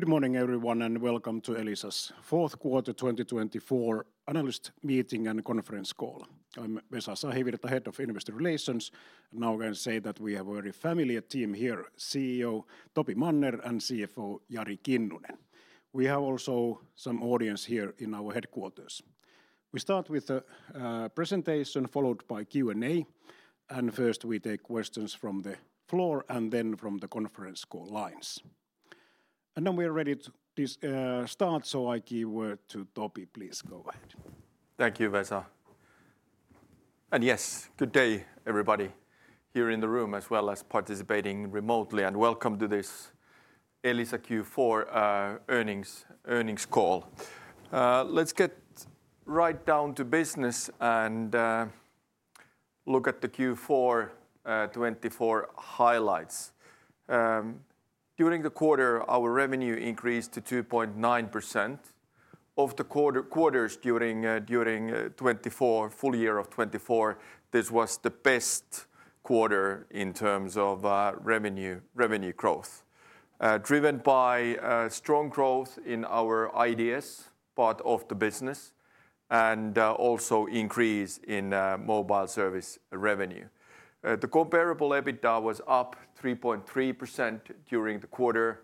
Good morning, everyone, and welcome to Elisa's Fourth Quarter 2024 Analyst Meeting and Conference Call. I'm Vesa Sahivirta, Head of Investor Relations, and now I can say that we have a very familiar team here: CEO Topi Manner and CFO Jari Kinnunen. We have also some audience here in our headquarters. We start with a presentation followed by Q&A, and first we take questions from the floor and then from the conference call lines. And then we are ready to start, so I give word to Topi. Please go ahead. Thank you, Vesa. And yes, good day, everybody here in the room as well as participating remotely, and welcome to this Elisa Q4 earnings call. Let's get right down to business and look at the Q4 2024 highlights. During the quarter, our revenue increased to 2.9%. Of the quarters during the full year of 2024, this was the best quarter in terms of revenue growth, driven by strong growth in our IDS part of the business and also increase in mobile service revenue. The comparable EBITDA was up 3.3% during the quarter,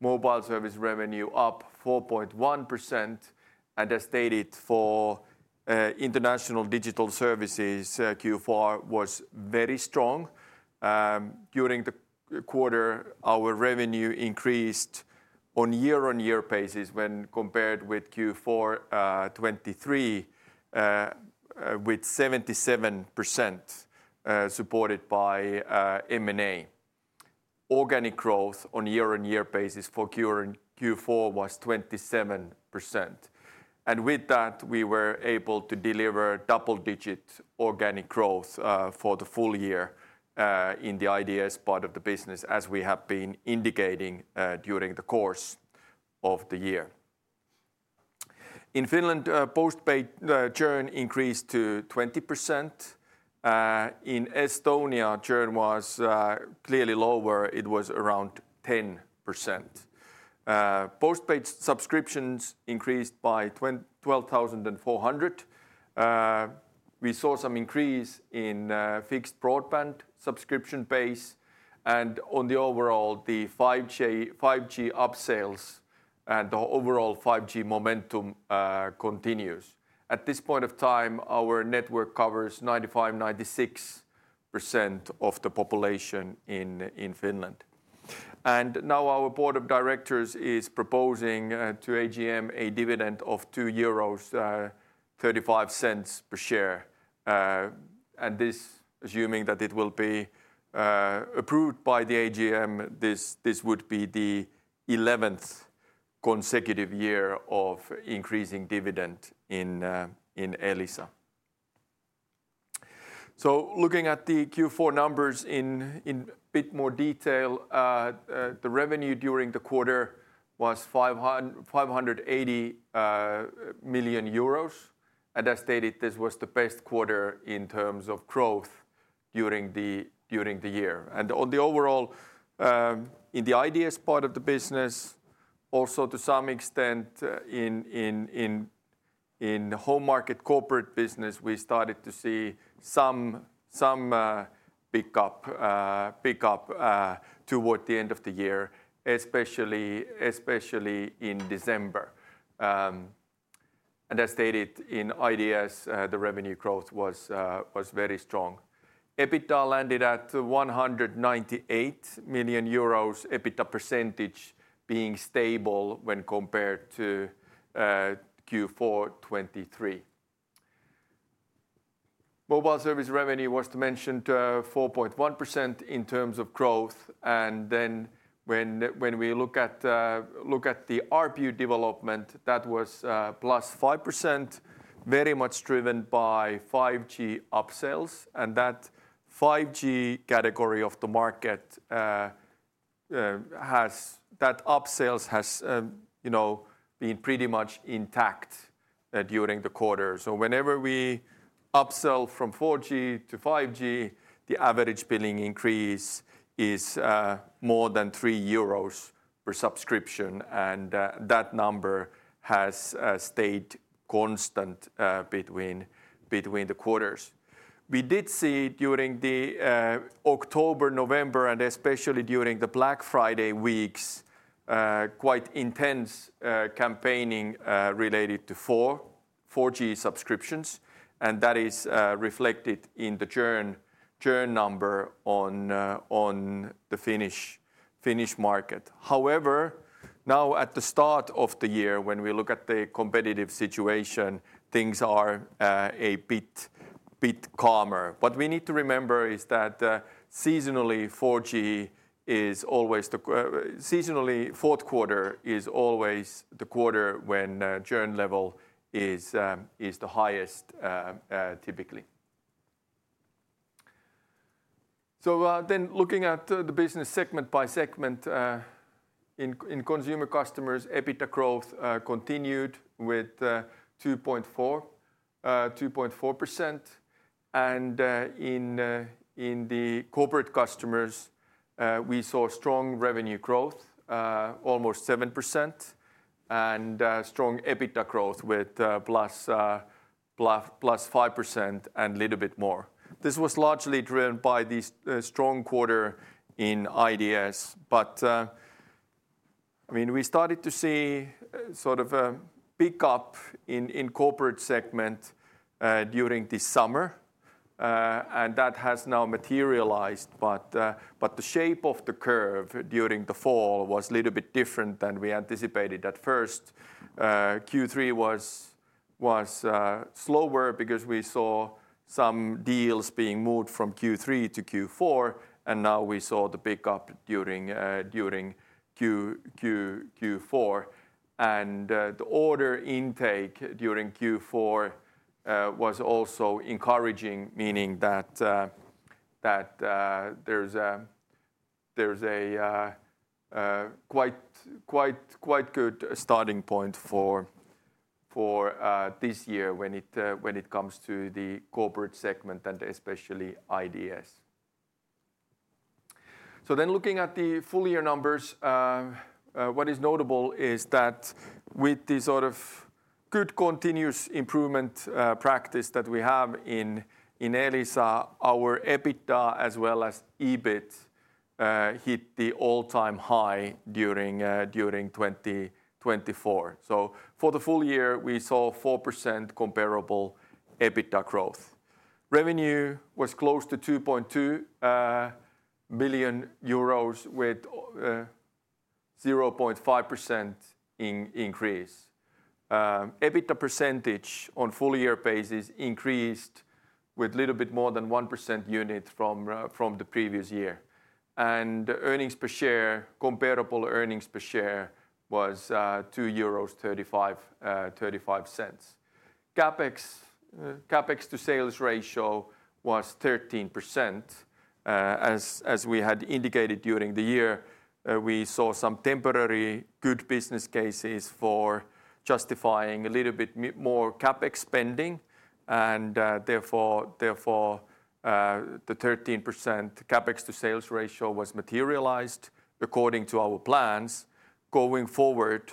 mobile service revenue up 4.1%, and as stated for international digital services, Q4 was very strong. During the quarter, our revenue increased on year-on-year basis when compared with Q4 2023 with 77% supported by M&A. Organic growth on year-on-year basis for Q4 was 27%. With that, we were able to deliver double-digit organic growth for the full year in the IDS part of the business, as we have been indicating during the course of the year. In Finland, post-paid churn increased to 20%. In Estonia, churn was clearly lower. It was around 10%. Post-paid subscriptions increased by 12,400. We saw some increase in fixed broadband subscription base, and on the overall, the 5G upsales and the overall 5G momentum continues. At this point of time, our network covers 95%-96% of the population in Finland. Now our board of directors is proposing to AGM a dividend of €2.35 per share. This, assuming that it will be approved by the AGM, this would be the 11th consecutive year of increasing dividend in Elisa. Looking at the Q4 numbers in a bit more detail, the revenue during the quarter was €580 million, and as stated, this was the best quarter in terms of growth during the year. And on the overall, in the IDS part of the business, also to some extent in home market corporate business, we started to see some pickup toward the end of the year, especially in December. And as stated in IDS, the revenue growth was very strong. EBITDA landed at €198 million, EBITDA percentage being stable when compared to Q4 2023. Mobile service revenue was to mention 4.1% in terms of growth, and then when we look at the RPU development, that was plus 5%, very much driven by 5G upsells, and that 5G category of the market, that upsells, has been pretty much intact during the quarter. So whenever we upsell from 4G to 5G, the average billing increase is more than 3 euros per subscription, and that number has stayed constant between the quarters. We did see during the October, November, and especially during the Black Friday weeks, quite intense campaigning related to 4G subscriptions, and that is reflected in the churn number on the Finnish market. However, now at the start of the year, when we look at the competitive situation, things are a bit calmer. What we need to remember is that seasonally 4G is always the fourth quarter is always the quarter when churn level is the highest typically. So then looking at the business segment by segment, in consumer customers, EBITDA growth continued with 2.4%, and in the corporate customers, we saw strong revenue growth, almost 7%, and strong EBITDA growth with plus 5% and a little bit more. This was largely driven by this strong quarter in IDS, but I mean, we started to see sort of a pickup in corporate segment during this summer, and that has now materialized, but the shape of the curve during the fall was a little bit different than we anticipated at first. Q3 was slower because we saw some deals being moved from Q3 to Q4, and now we saw the pickup during Q4, and the order intake during Q4 was also encouraging, meaning that there's a quite good starting point for this year when it comes to the corporate segment and especially IDS. So then looking at the full year numbers, what is notable is that with the sort of good continuous improvement practice that we have in Elisa, our EBITDA as well as EBIT hit the all-time high during 2024. For the full year, we saw 4% comparable EBITDA growth. Revenue was close to 2.2 billion euros with 0.5% increase. EBITDA percentage on full year basis increased with a little bit more than 1 percentage point from the previous year, and earnings per share, comparable earnings per share was 2.35 euros. CapEx to sales ratio was 13%. As we had indicated during the year, we saw some temporary good business cases for justifying a little bit more CapEx spending, and therefore the 13% CapEx to sales ratio was materialized according to our plans. Going forward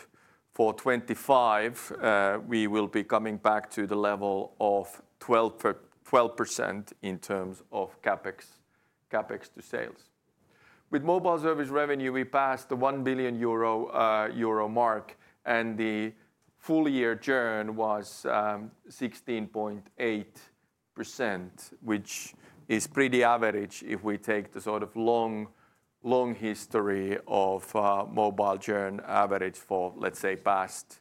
for 2025, we will be coming back to the level of 12% in terms of CapEx to sales. With mobile service revenue, we passed the 1 billion euro mark, and the full year churn was 16.8%, which is pretty average if we take the sort of long history of mobile churn average for, let's say, past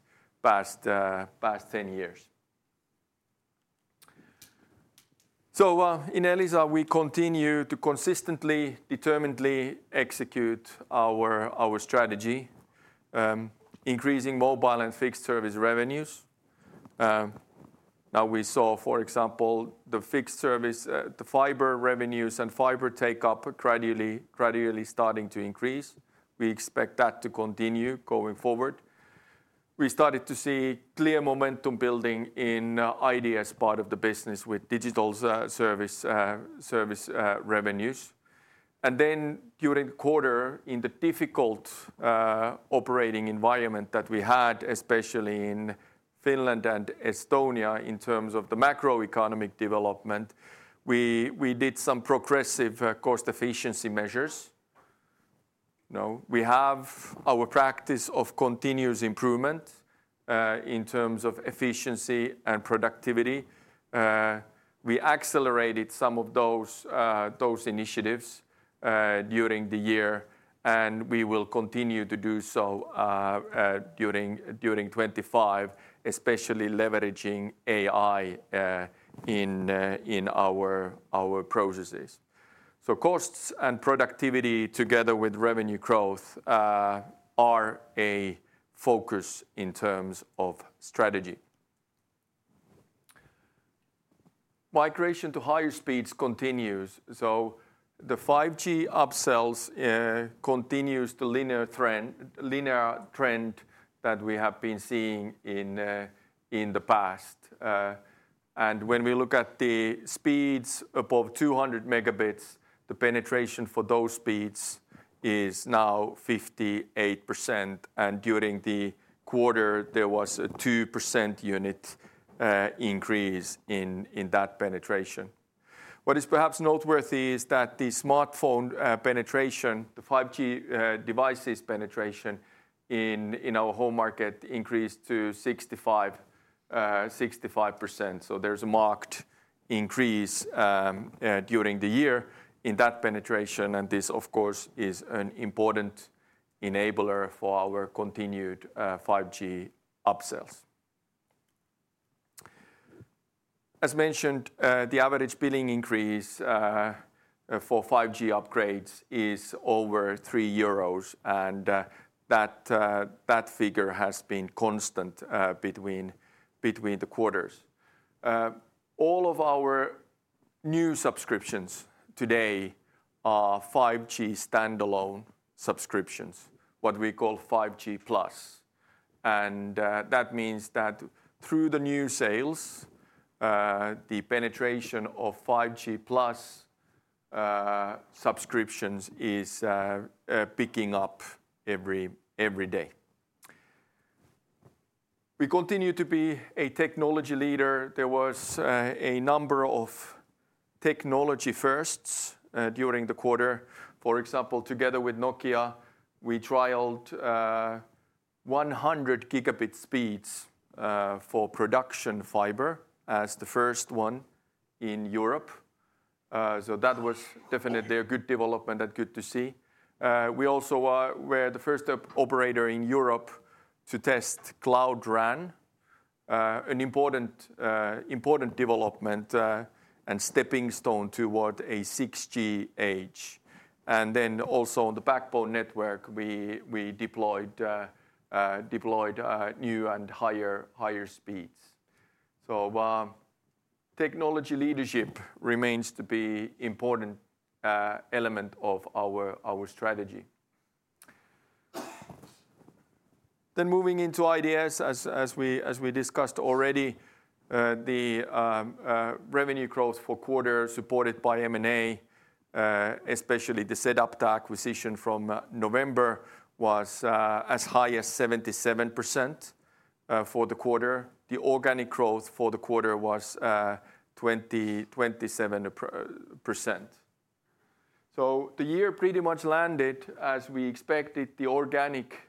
10 years. In Elisa, we continue to consistently, determinedly execute our strategy, increasing mobile and fixed service revenues. Now we saw, for example, the fixed service, the fiber revenues and fiber take-up gradually starting to increase. We expect that to continue going forward. We started to see clear momentum building in IDS part of the business with digital service revenues. Then during the quarter, in the difficult operating environment that we had, especially in Finland and Estonia in terms of the macroeconomic development, we did some progressive cost efficiency measures. We have our practice of continuous improvement in terms of efficiency and productivity. We accelerated some of those initiatives during the year, and we will continue to do so during 2025, especially leveraging AI in our processes. Costs and productivity together with revenue growth are a focus in terms of strategy. Migration to higher speeds continues, so the 5G upsells continues the linear trend that we have been seeing in the past. And when we look at the speeds above 200 megabits, the penetration for those speeds is now 58%, and during the quarter, there was a 2% unit increase in that penetration. What is perhaps noteworthy is that the smartphone penetration, the 5G devices penetration in our home market increased to 65%, so there's a marked increase during the year in that penetration, and this, of course, is an important enabler for our continued 5G upsells. As mentioned, the average billing increase for 5G upgrades is over €3, and that figure has been constant between the quarters. All of our new subscriptions today are 5G Standalone subscriptions, what we call 5G Plus, and that means that through the new sales, the penetration of 5G Plus subscriptions is picking up every day. We continue to be a technology leader. There was a number of technology firsts during the quarter. For example, together with Nokia, we trialed 100 gigabit speeds for production fiber as the first one in Europe, so that was definitely a good development and good to see. We also were the first operator in Europe to test Cloud RAN, an important development and stepping stone toward a 6G age, and then also on the backbone network, we deployed new and higher speeds, so technology leadership remains to be an important element of our strategy. Then moving into IDS, as we discussed already, the revenue growth for quarter supported by M&A, especially the sedApta acquisition from November, was as high as 77% for the quarter. The organic growth for the quarter was 27%. So the year pretty much landed as we expected. The organic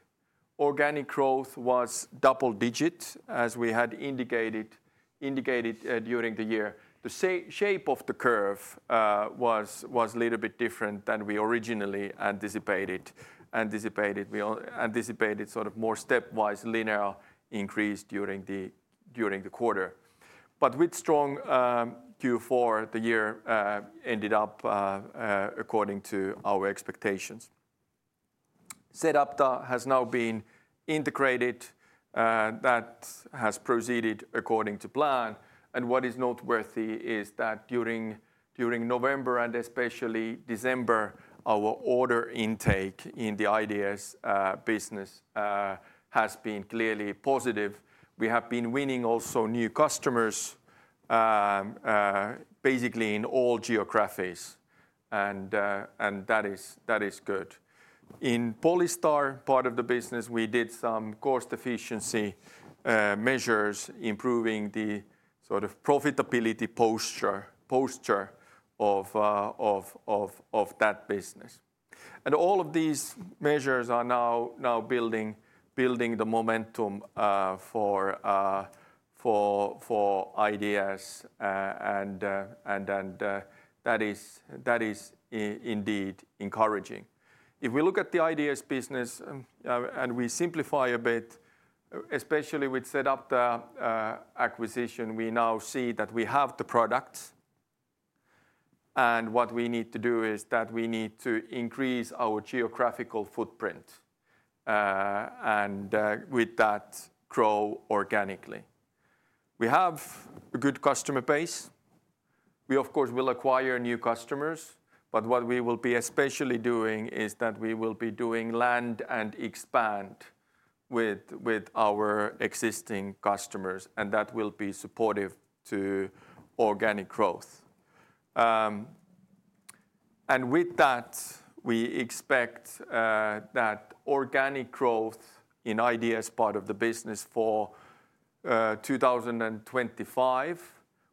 growth was double-digit, as we had indicated during the year. The shape of the curve was a little bit different than we originally anticipated. We anticipated sort of more stepwise linear increase during the quarter, but with strong Q4, the year ended up according to our expectations. sedApta has now been integrated. That has proceeded according to plan, and what is noteworthy is that during November and especially December, our order intake in the IDS business has been clearly positive. We have been winning also new customers basically in all geographies, and that is good. In Polystar, part of the business, we did some cost efficiency measures, improving the sort of profitability posture of that business, and all of these measures are now building the momentum for IDS, and that is indeed encouraging. If we look at the IDS business and we simplify a bit, especially with sedApta acquisition, we now see that we have the products, and what we need to do is that we need to increase our geographical footprint and with that grow organically. We have a good customer base. We, of course, will acquire new customers, but what we will be especially doing is that we will be doing land and expand with our existing customers, and that will be supportive to organic growth. And with that, we expect that organic growth in IDS part of the business for 2025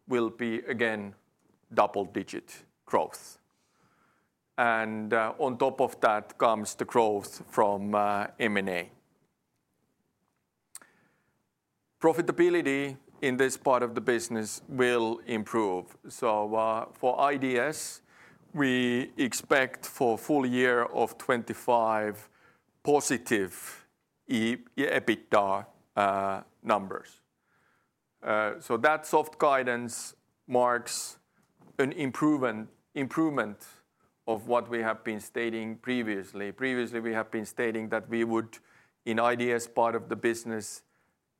will be again double-digit growth, and on top of that comes the growth from M&A. Profitability in this part of the business will improve. So for IDS, we expect for full year of 2025 positive EBITDA numbers. So that soft guidance marks an improvement of what we have been stating previously. Previously, we have been stating that we would, in IDS part of the business,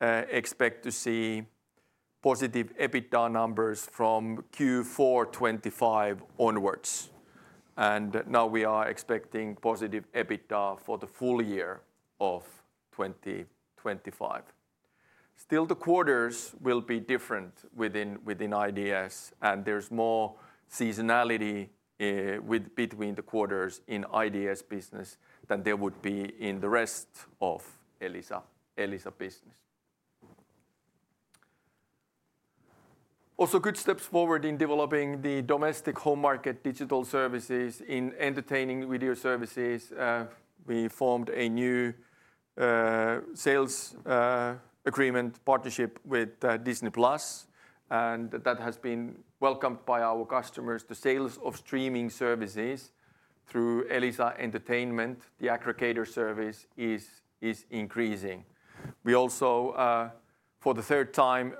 expect to see positive EBITDA numbers from Q4 2025 onwards, and now we are expecting positive EBITDA for the full year of 2025. Still, the quarters will be different within IDS, and there's more seasonality between the quarters in IDS business than there would be in the rest of Elisa business. Also, good steps forward in developing the domestic home market digital services. In entertainment video services, we formed a new sales agreement partnership with Disney+, and that has been welcomed by our customers. The sales of streaming services through Elisa Entertainment, the aggregator service, is increasing. We also, for the third time,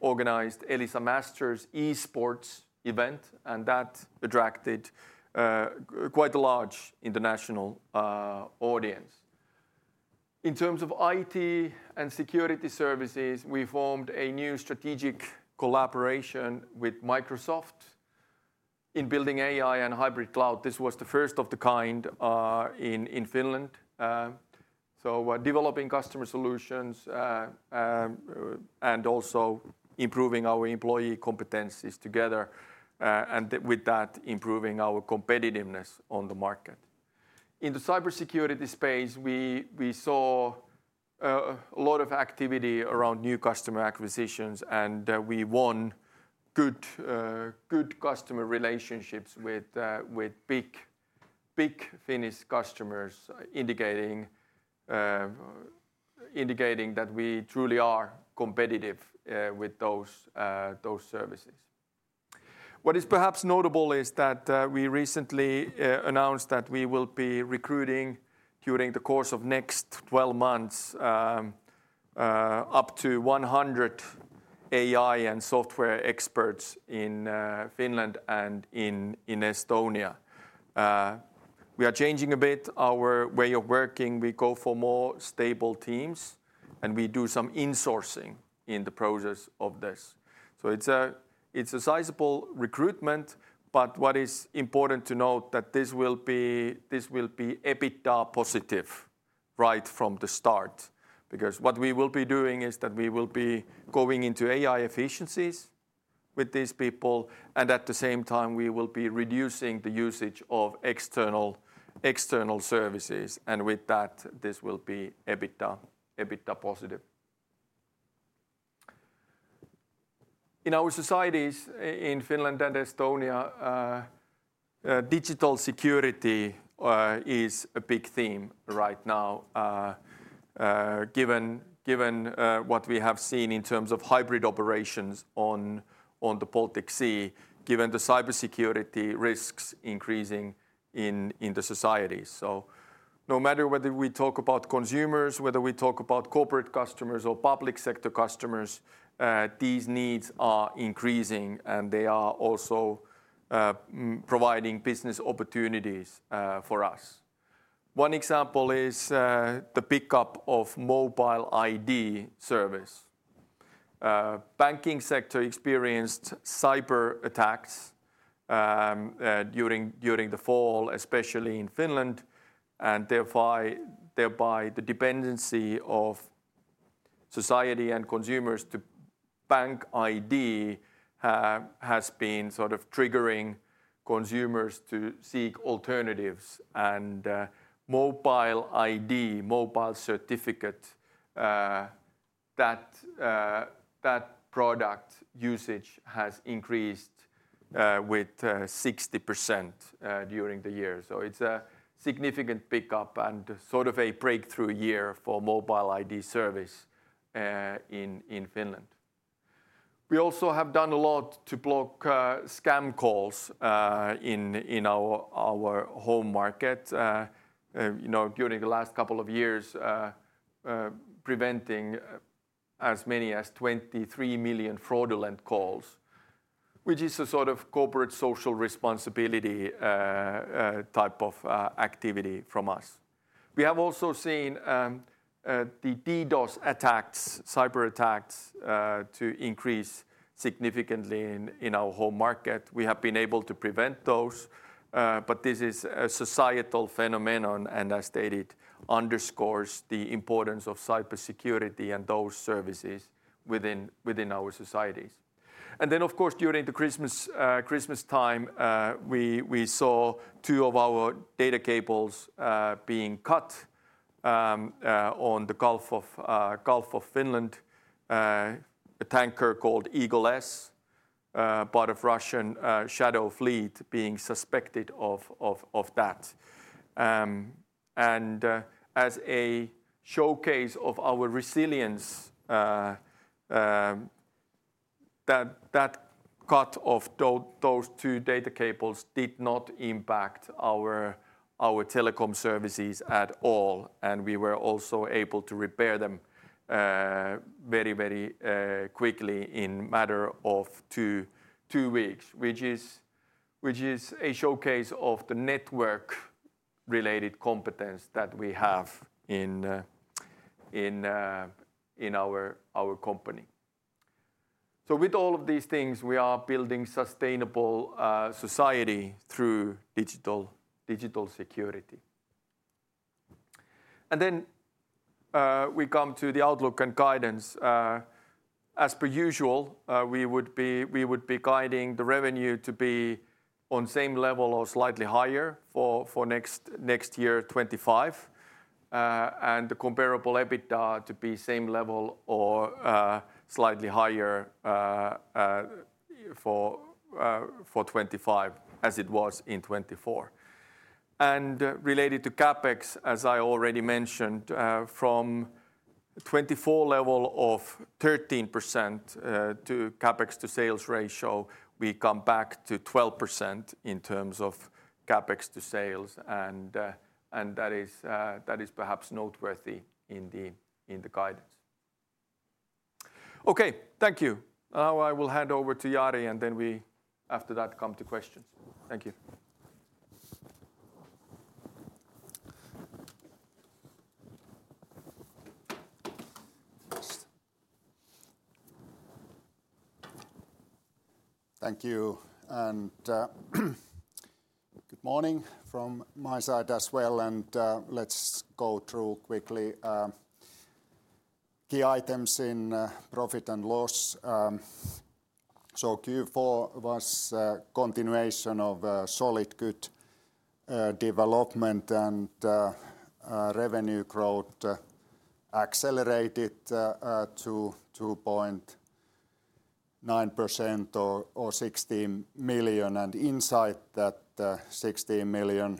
organized Elisa Masters Esports event, and that attracted quite a large international audience. In terms of IT and security services, we formed a new strategic collaboration with Microsoft in building AI and hybrid cloud. This was the first of the kind in Finland, so developing customer solutions and also improving our employee competencies together, and with that, improving our competitiveness on the market. In the cybersecurity space, we saw a lot of activity around new customer acquisitions, and we won good customer relationships with big Finnish customers, indicating that we truly are competitive with those services. What is perhaps notable is that we recently announced that we will be recruiting during the course of the next 12 months up to 100 AI and software experts in Finland and in Estonia. We are changing a bit our way of working. We go for more stable teams, and we do some insourcing in the process of this. So it's a sizable recruitment, but what is important to note is that this will be EBITDA positive right from the start because what we will be doing is that we will be going into AI efficiencies with these people, and at the same time, we will be reducing the usage of external services, and with that, this will be EBITDA positive. In our societies in Finland and Estonia, digital security is a big theme right now, given what we have seen in terms of hybrid operations on the Baltic Sea, given the cybersecurity risks increasing in the society. So no matter whether we talk about consumers, whether we talk about corporate customers or public sector customers, these needs are increasing, and they are also providing business opportunities for us. One example is the pickup of mobile ID service. Banking sector experienced cyber attacks during the fall, especially in Finland, and thereby the dependency of society and consumers to bank ID has been sort of triggering consumers to seek alternatives, and Mobile ID, mobile certificate, that product usage has increased with 60% during the year. So it's a significant pickup and sort of a breakthrough year for mobile ID service in Finland. We also have done a lot to block scam calls in our home market during the last couple of years, preventing as many as 23 million fraudulent calls, which is a sort of corporate social responsibility type of activity from us. We have also seen the DDoS attacks, cyber attacks, to increase significantly in our home market. We have been able to prevent those, but this is a societal phenomenon and, as stated, underscores the importance of cybersecurity and those services within our societies, and then, of course, during the Christmas time, we saw two of our data cables being cut on the Gulf of Finland, a tanker called Eagle S, part of Russian Shadow Fleet, being suspected of that. As a showcase of our resilience, that cut of those two data cables did not impact our telecom services at all, and we were also able to repair them very, very quickly in a matter of two weeks, which is a showcase of the network-related competence that we have in our company. With all of these things, we are building a sustainable society through digital security. Then we come to the outlook and guidance. As per usual, we would be guiding the revenue to be on the same level or slightly higher for next year, 2025, and the comparable EBITDA to be the same level or slightly higher for 2025 as it was in 2024. And related to CapEx, as I already mentioned, from 2024 level of 13% CapEx to sales ratio, we come back to 12% in terms of CapEx to sales, and that is perhaps noteworthy in the guidance. Okay, thank you. Now I will hand over to Jari, and then we, after that, come to questions. Thank you. Thank you, and good morning from my side as well, and let's go through quickly key items in profit and loss. So Q4 was a continuation of solid good development, and revenue growth accelerated to 2.9% or €16 million, and inside that €16 million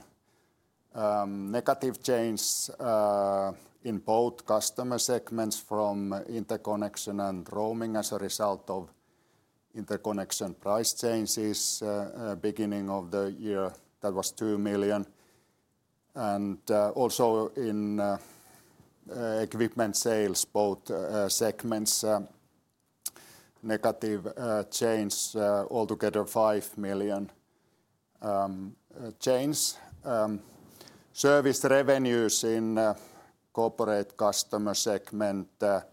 negative change in both customer segments from interconnection and roaming as a result of interconnection price changes beginning of the year, that was €2 million. And also in equipment sales, both segments negative change altogether €5 million change. Service revenues in corporate customer segment were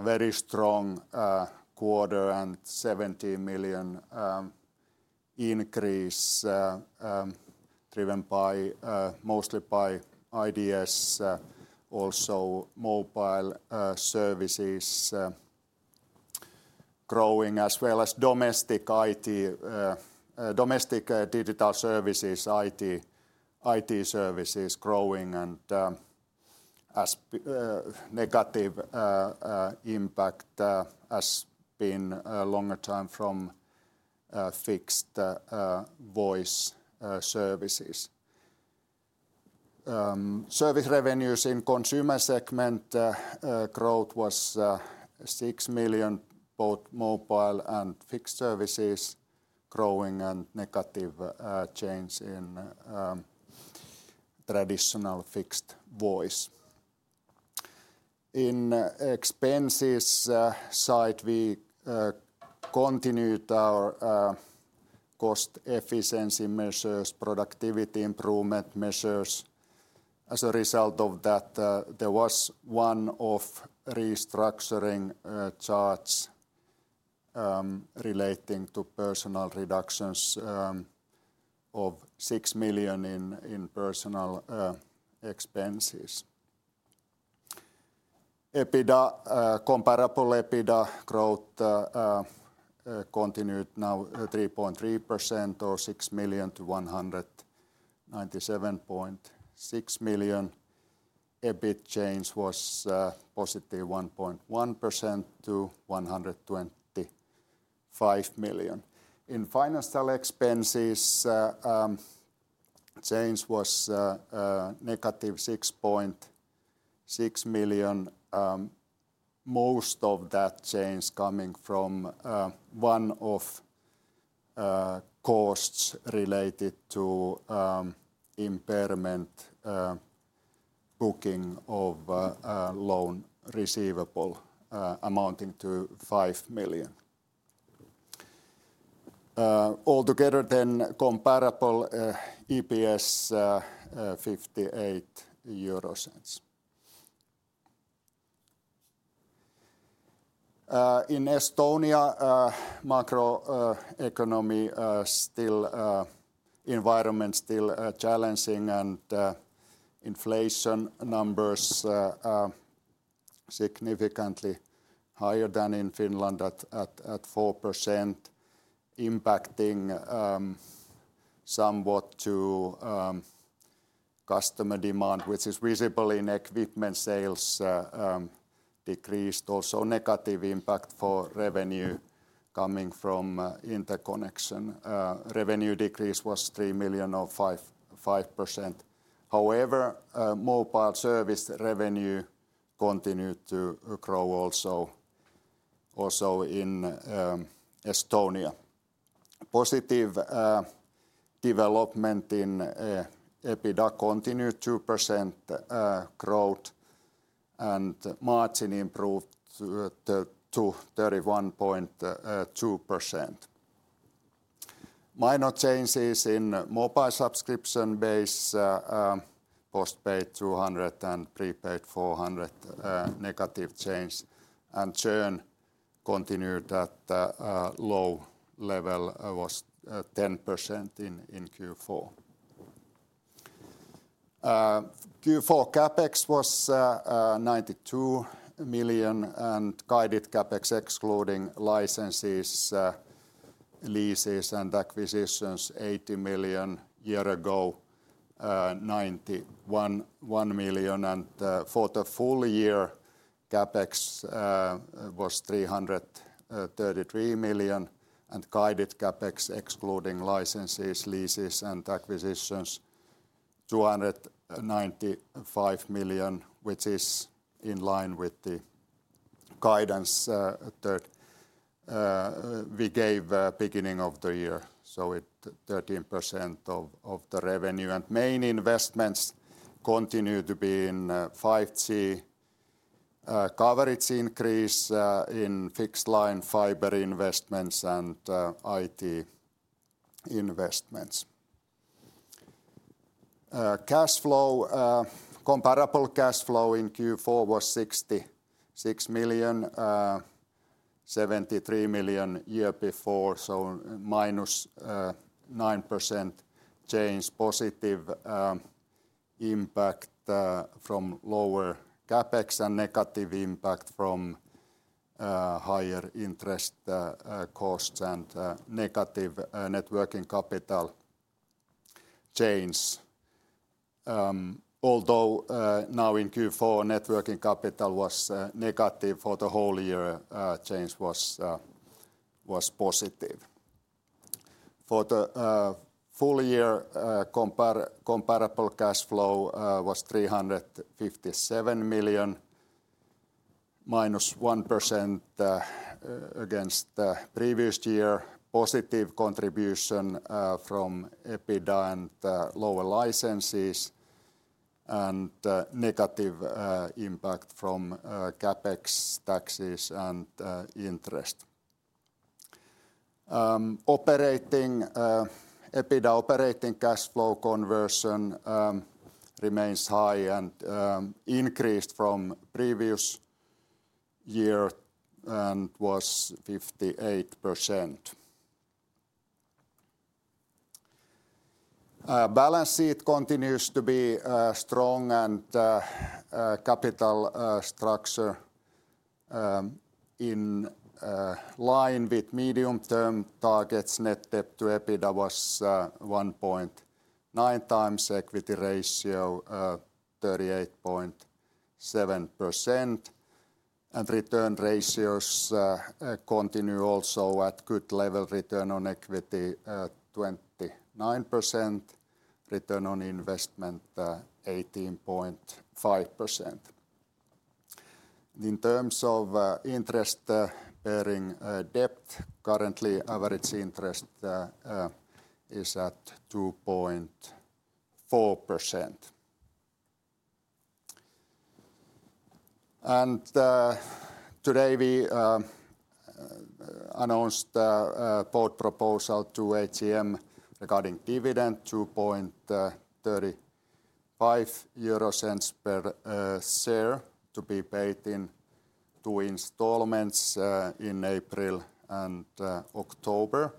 very strong this quarter and a 17 million increase driven mostly by IDS, also mobile services growing as well as domestic digital services, IT services growing, and negative impact has been a longer time from fixed voice services. Service revenues in consumer segment growth was 6 million, both mobile and fixed services growing and negative change in traditional fixed voice. On expenses side, we continued our cost efficiency measures, productivity improvement measures. As a result of that, there was one-off restructuring charge relating to personnel reductions of 6 million in personnel expenses. Comparable EBITDA growth continued now 3.3% or 6 million to 197.6 million. EBIT change was positive 1.1% to 125 million. In financial expenses, change was negative 6.6 million. Most of that change coming from one-off costs related to impairment booking of loan receivable amounting to EUR 5 million. Altogether then, comparable EPS EUR 0.58. In Estonia, macroeconomy environment still challenging and inflation numbers significantly higher than in Finland at 4%, impacting somewhat to customer demand, which is visible in equipment sales decreased, also negative impact for revenue coming from interconnection. Revenue decrease was 3 million or 5%. However, mobile service revenue continued to grow also in Estonia. Positive development in EBITDA continued 2% growth and margin improved to 31.2%. Minor changes in mobile subscription base, postpaid 200 and prepaid 400 negative change and churn continued at low level, 10% in Q4. Q4 CapEx was 92 million, and guided CapEx excluding licenses, leases, and acquisitions 80 million year ago, 91 million, and for the full year, CapEx was 333 million, and guided CapEx excluding licenses, leases, and acquisitions 295 million, which is in line with the guidance we gave beginning of the year, so it's 13% of the revenue. Main investments continue to be in 5G coverage, increase in fixed line fiber investments, and IT investments. Cash flow, comparable cash flow in Q4 was 66 million, 73 million year before, so -9% change, positive impact from lower CapEx and negative impact from higher interest costs and negative working capital change. Although now in Q4 working capital was negative, for the whole year change was positive. For the full year, comparable cash flow was 357 million, minus 1% against the previous year, positive contribution from EBITDA and lower licenses, and negative impact from CapEx, taxes, and interest. EBITDA operating cash flow conversion remains high and increased from previous year and was 58%. Balance sheet continues to be strong and capital structure in line with medium-term targets. Net debt to EBITDA was 1.9 times. Equity ratio 38.7%, and return ratios continue also at good level return on equity 29%, return on investment 18.5%. In terms of interest-bearing debt, currently average interest is at 2.4%. Today we announced a board proposal to AGM regarding dividend of 2.35 euro per share to be paid in two installments in April and October.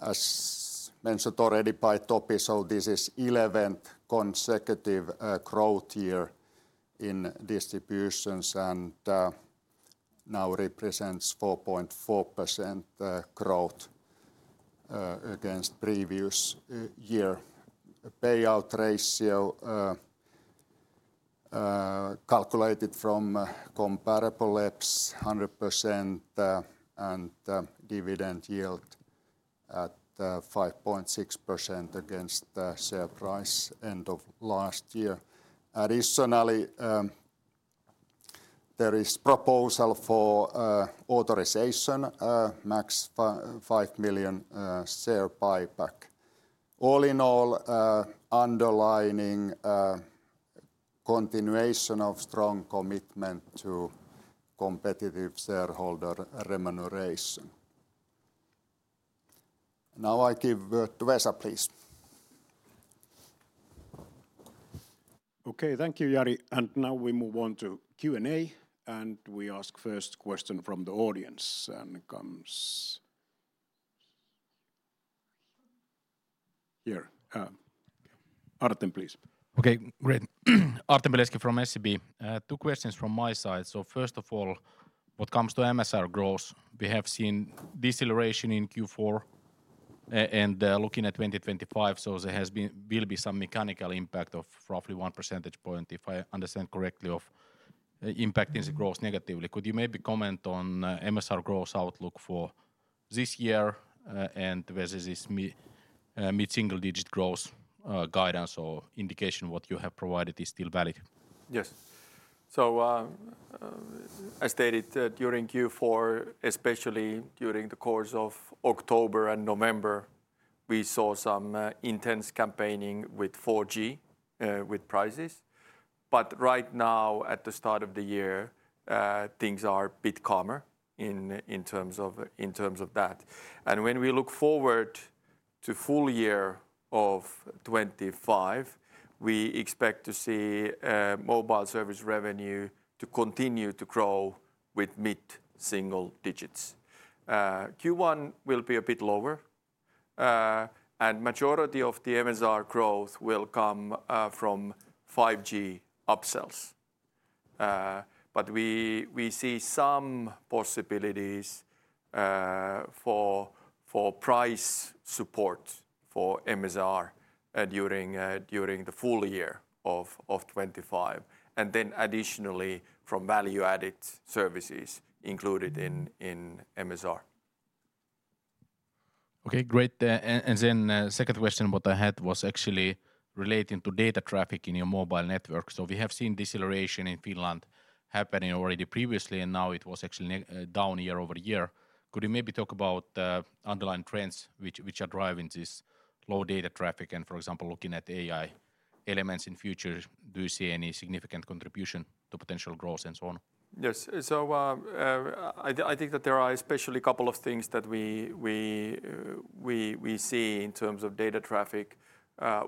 As mentioned already by Topi, so this is the 11th consecutive growth year in distributions and now represents 4.4% growth against previous year. Payout ratio calculated from comparable EPS 100% and dividend yield at 5.6% against share price end of last year. Additionally, there is proposal for authorization max 5 million share buyback. All in all, underlining continuation of strong commitment to competitive shareholder remuneration. Now I give the word to Vesa, please. Okay, thank you, Jari, and now we move on to Q&A, and we ask first question from the audience, and it comes here. Artem, please. Okay, great. Artem Veleski from SEB. Two questions from my side. So first of all, what comes to MSR growth? We have seen deceleration in Q4 and looking at 2025, so there will be some mechanical impact of roughly one percentage point, if I understand correctly, of impacting the growth negatively. Could you maybe comment on MSR growth outlook for this year and whether this mid-single digit growth guidance or indication what you have provided is still valid? Yes. So I stated that during Q4, especially during the course of October and November, we saw some intense campaigning with 4G with prices. But right now, at the start of the year, things are a bit calmer in terms of that. And when we look forward to full year of 2025, we expect to see mobile service revenue to continue to grow with mid-single digits. Q1 will be a bit lower, and the majority of the MSR growth will come from 5G upsells. But we see some possibilities for price support for MSR during the full year of 2025, and then additionally from value-added services included in MSR. Okay, great. And then the second question what I had was actually relating to data traffic in your mobile network. So we have seen deceleration in Finland happening already previously, and now it was actually down year over year. Could you maybe talk about underlying trends which are driving this low data traffic and, for example, looking at AI elements in future? Do you see any significant contribution to potential growth and so on? Yes. So I think that there are especially a couple of things that we see in terms of data traffic.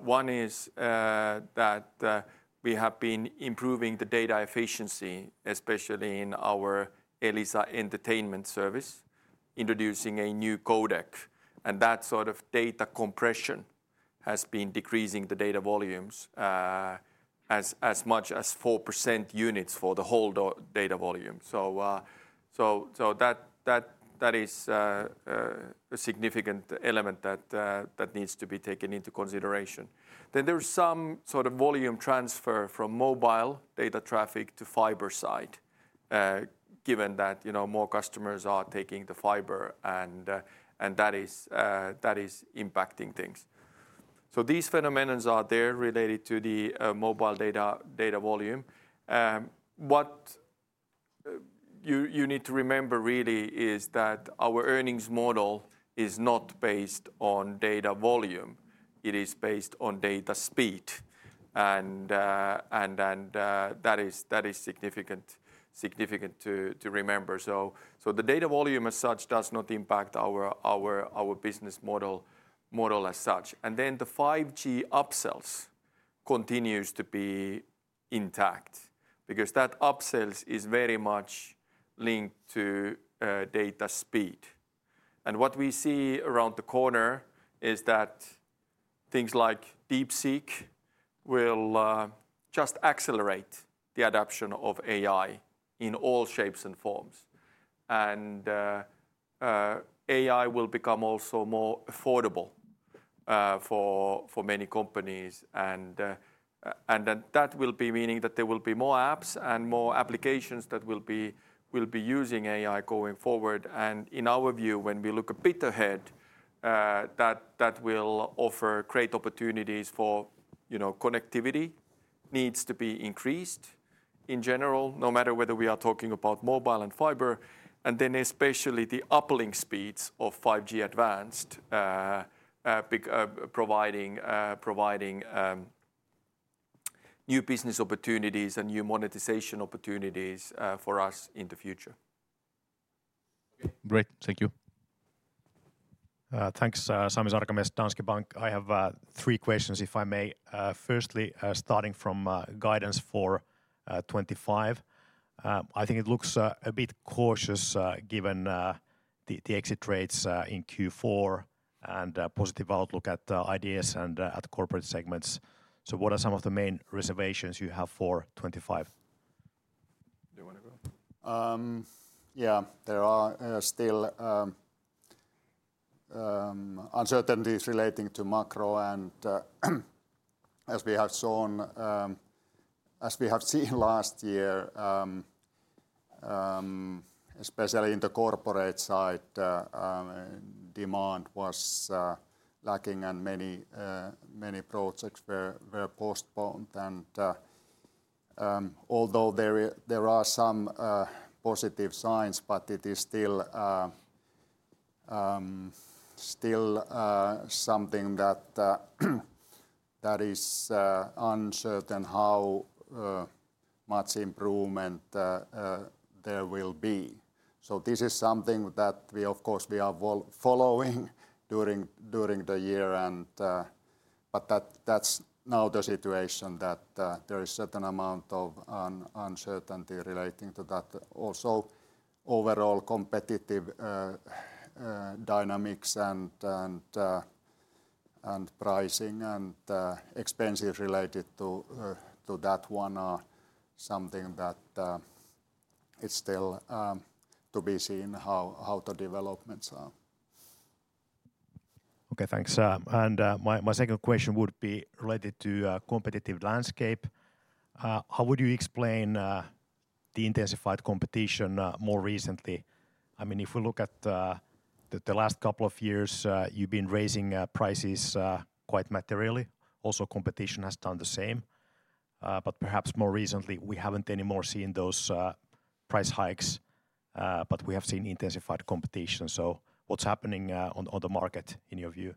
One is that we have been improving the data efficiency, especially in our Elisa Entertainment service, introducing a new codec, and that sort of data compression has been decreasing the data volumes as much as 4% units for the whole data volume. So that is a significant element that needs to be taken into consideration. Then there is some sort of volume transfer from mobile data traffic to fiber side, given that more customers are taking the fiber, and that is impacting things. So these phenomena are there related to the mobile data volume. What you need to remember really is that our earnings model is not based on data volume. It is based on data speed, and that is significant to remember. So the data volume as such does not impact our business model as such. And then the 5G upsells continues to be intact because that upsells is very much linked to data speed. And what we see around the corner is that things like DeepSeek will just accelerate the adoption of AI in all shapes and forms. And AI will become also more affordable for many companies, and that will be meaning that there will be more apps and more applications that will be using AI going forward. And in our view, when we look a bit ahead, that will offer great opportunities for connectivity needs to be increased in general, no matter whether we are talking about mobile and fiber, and then especially the uplink speeds of 5G advanced providing new business opportunities and new monetization opportunities for us in the future. Great. Thank you. Thanks, Sami Sarkamies, Danske Bank. I have three questions, if I may. Firstly, starting from guidance for '25, I think it looks a bit cautious given the exit rates in Q4 and positive outlook at IDS and at corporate segments. So what are some of the main reservations you have for '25? Do you want to go? Yeah, there are still uncertainties relating to macro, and as we have seen last year, especially in the corporate side, demand was lacking and many projects were postponed. And although there are some positive signs, but it is still something that is uncertain how much improvement there will be. So this is something that we, of course, we are following during the year, but that's now the situation that there is a certain amount of uncertainty relating to that. Also, overall competitive dynamics and pricing and expenses related to that one are something that it's still to be seen how the developments are. Okay, thanks. And my second question would be related to competitive landscape. How would you explain the intensified competition more recently? I mean, if we look at the last couple of years, you've been raising prices quite materially. Also, competition has done the same. But perhaps more recently, we haven't anymore seen those price hikes, but we have seen intensified competition. So what's happening on the market in your view?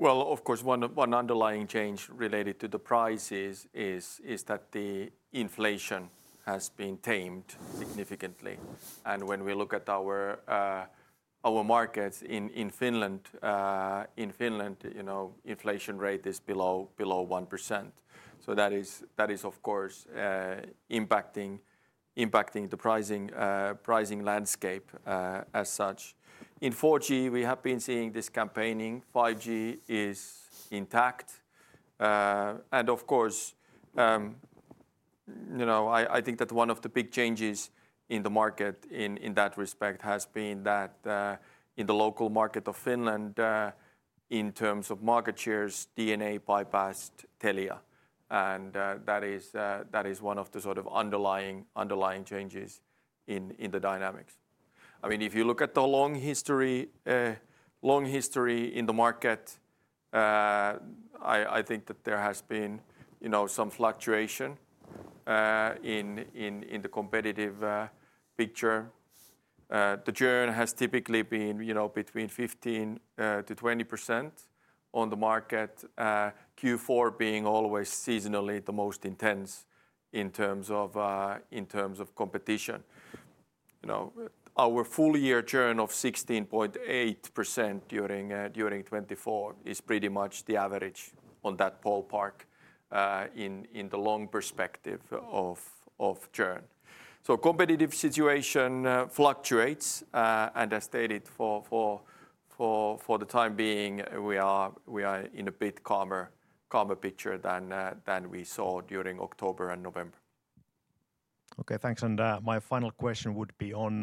Of course, one underlying change related to the prices is that the inflation has been tamed significantly. When we look at our markets in Finland, inflation rate is below 1%. That is, of course, impacting the pricing landscape as such. In 4G, we have been seeing this campaigning 5G is intact. Of course, I think that one of the big changes in the market in that respect has been that in the local market of Finland, in terms of market shares, DNA bypassed Telia. That is one of the sort of underlying changes in the dynamics. I mean, if you look at the long history in the market, I think that there has been some fluctuation in the competitive picture. The churn has typically been between 15%-20% on the market, Q4 being always seasonally the most intense in terms of competition. Our full year churn of 16.8% during 2024 is pretty much the average in that ballpark in the long perspective of churn, so competitive situation fluctuates, and as stated, for the time being, we are in a bit calmer picture than we saw during October and November. Okay, thanks. And my final question would be on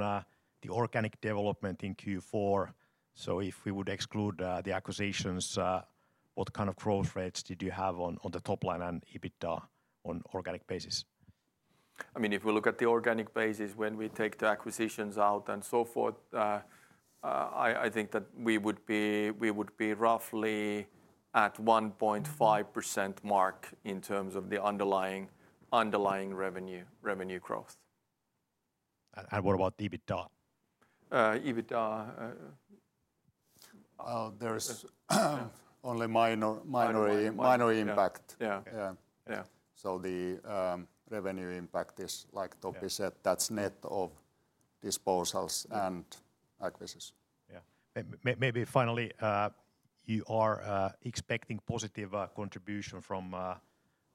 the organic development in Q4. So if we would exclude the acquisitions, what kind of growth rates did you have on the top line and EBITDA on organic basis? I mean, if we look at the organic basis, when we take the acquisitions out and so forth, I think that we would be roughly at 1.5% mark in terms of the underlying revenue growth. What about EBITDA? EBITDA, there's only minor impact. So the revenue impact is, like Topi said, that's net of disposals and acquisitions. Yeah. Maybe finally, you are expecting positive contribution from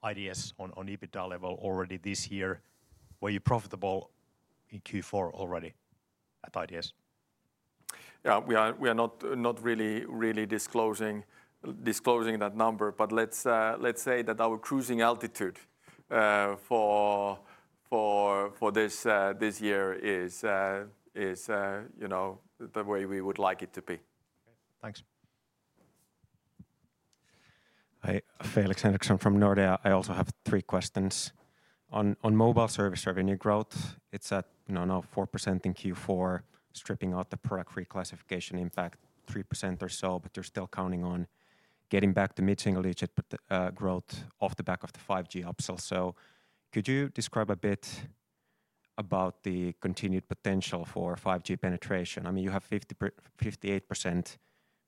IDS on EBITDA level already this year. Were you profitable in Q4 already at IDS? Yeah, we are not really disclosing that number, but let's say that our cruising altitude for this year is the way we would like it to be. Thanks. Hi, Felix Henriksson from Nordea. I also have three questions. On mobile service revenue growth, it's at now 4% in Q4, stripping out the product reclassification impact 3% or so, but you're still counting on getting back to mid-single digit growth off the back of the 5G upsell. So could you describe a bit about the continued potential for 5G penetration? I mean, you have 58%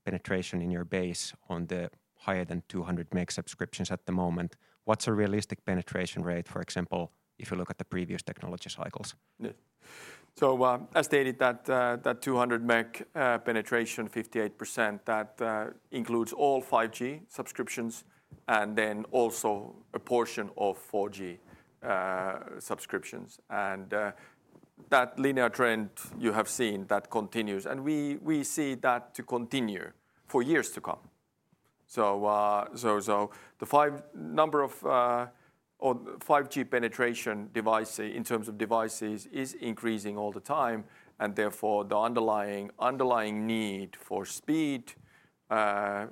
penetration in your base on the higher than 200 Mbps subscriptions at the moment. What's a realistic penetration rate, for example, if you look at the previous technology cycles? As stated, that 200 Meg penetration, 58%, includes all 5G subscriptions and then also a portion of 4G subscriptions. That linear trend you have seen continues, and we see that to continue for years to come. The number of 5G penetration devices in terms of devices is increasing all the time, and therefore the underlying need for speed and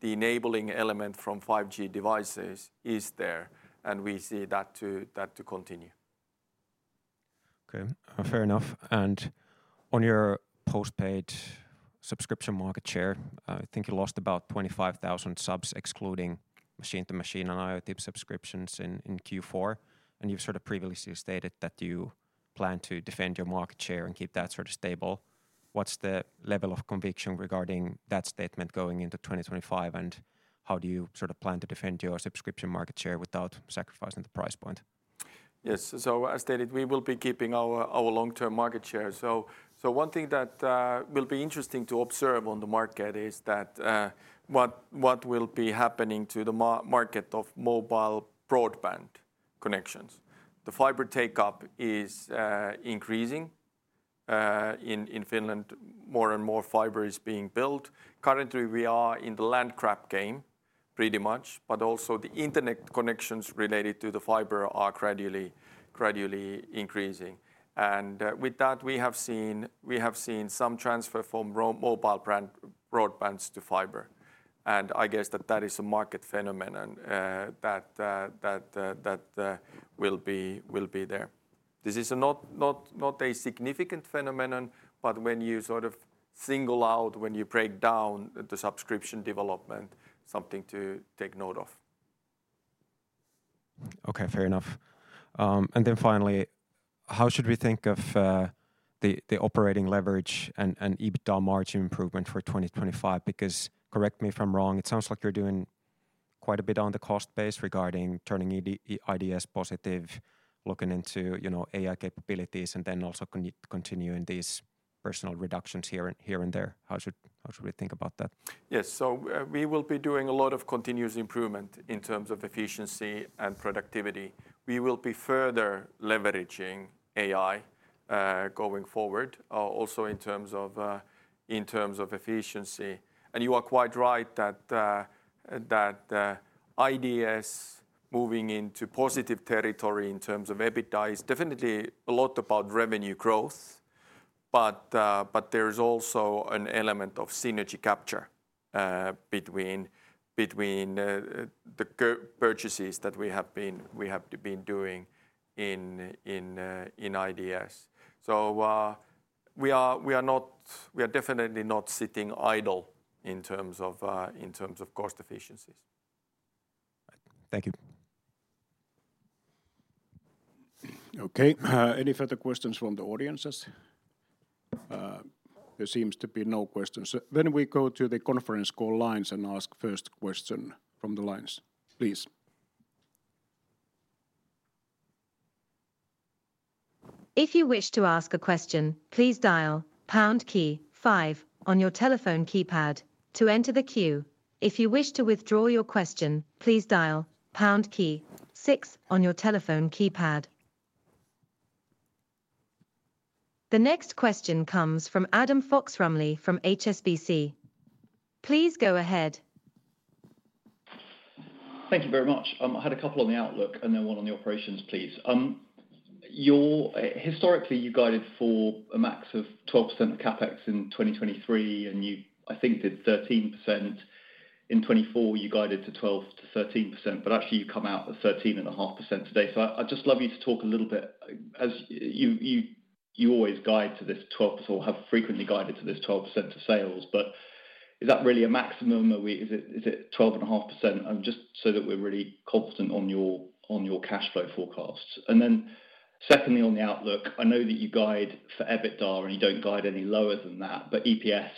the enabling element from 5G devices is there, and we see that to continue. Okay, fair enough. And on your postpaid subscription market share, I think you lost about 25,000 subs excluding machine-to-machine and IoT subscriptions in Q4. And you've sort of previously stated that you plan to defend your market share and keep that sort of stable. What's the level of conviction regarding that statement going into 2025, and how do you sort of plan to defend your subscription market share without sacrificing the price point? Yes. As stated, we will be keeping our long-term market share. One thing that will be interesting to observe on the market is what will be happening to the market of mobile broadband connections. The fiber take-up is increasing in Finland. More and more fiber is being built. Currently, we are in the land grab game pretty much, but also the internet connections related to the fiber are gradually increasing. With that, we have seen some transfer from mobile broadbands to fiber. I guess that is a market phenomenon that will be there. This is not a significant phenomenon, but when you sort of single out, when you break down the subscription development, something to take note of. Okay, fair enough. And then finally, how should we think of the operating leverage and EBITDA margin improvement for 2025? Because correct me if I'm wrong, it sounds like you're doing quite a bit on the cost base regarding turning IDS positive, looking into AI capabilities, and then also continuing these personnel reductions here and there. How should we think about that? Yes. So we will be doing a lot of continuous improvement in terms of efficiency and productivity. We will be further leveraging AI going forward, also in terms of efficiency. And you are quite right that IDS moving into positive territory in terms of EBITDA is definitely a lot about revenue growth, but there is also an element of synergy capture between the purchases that we have been doing in IDS. So we are definitely not sitting idle in terms of cost efficiencies. Thank you. Okay, any further questions from the audiences? There seems to be no questions. Then we go to the conference call lines and ask first question from the lines, please. If you wish to ask a question, please dial pound key five on your telephone keypad to enter the queue. If you wish to withdraw your question, please dial pound key six on your telephone keypad. The next question comes from Adam Fox-Rumley from HSBC. Please go ahead. Thank you very much. I had a couple on the outlook and then one on the operations, please. Historically, you guided for a max of 12% of CapEx in 2023, and you, I think, did 13%. In 2024, you guided to 12%-13%, but actually you come out at 13.5% today. So I'd just love you to talk a little bit. You always guide to this 12% or have frequently guided to this 12% of sales, but is that really a maximum? Is it 12.5%? And just so that we're really confident on your cash flow forecasts. And then secondly, on the outlook, I know that you guide for EBITDA and you don't guide any lower than that, but EPS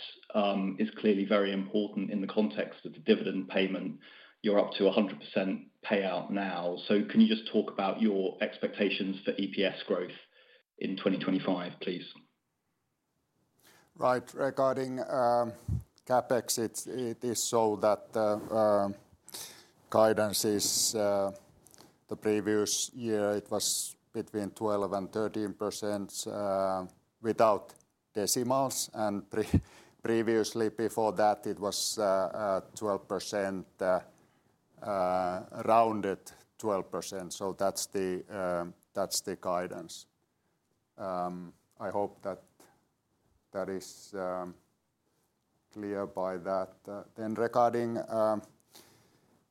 is clearly very important in the context of the dividend payment. You're up to 100% payout now. Can you just talk about your expectations for EPS growth in 2025, please? Right. Regarding CapEx, it is so that guidance is the previous year, it was between 12%-13% without decimals. And previously before that, it was 12%, rounded 12%. So that's the guidance. I hope that is clear by that. Then regarding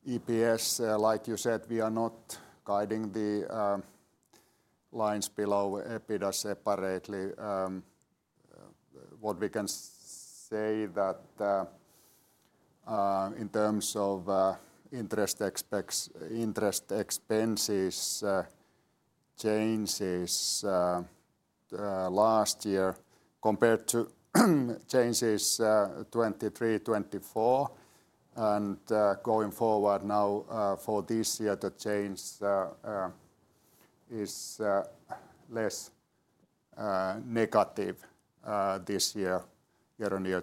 EPS, like you said, we are not guiding the lines below EBITDA separately. What we can say that in terms of interest expenses changes last year compared to changes 2023, 2024, and going forward now for this year, the change is less negative this year, year-on-year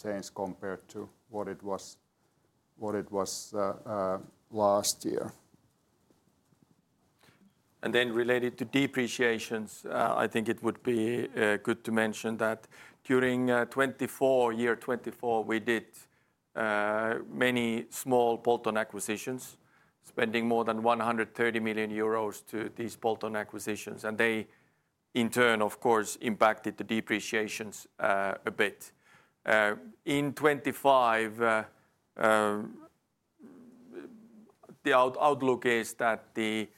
change compared to what it was last year. And then related to depreciations, I think it would be good to mention that during year 2024, we did many small bolt-on acquisitions, spending more than €130 million to these bolt-on acquisitions, and they, in turn, of course, impacted the depreciations a bit. In 2025, the outlook is that the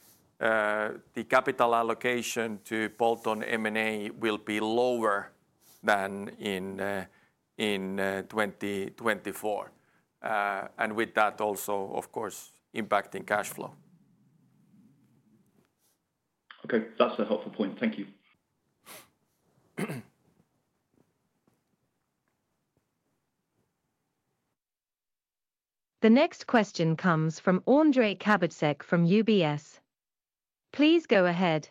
capital allocation to bolt-on M&A will be lower than in 2024, and with that also, of course, impacting cash flow. Okay, that's a helpful point. Thank you. The next question comes from Ondrej Cabejsek from UBS. Please go ahead.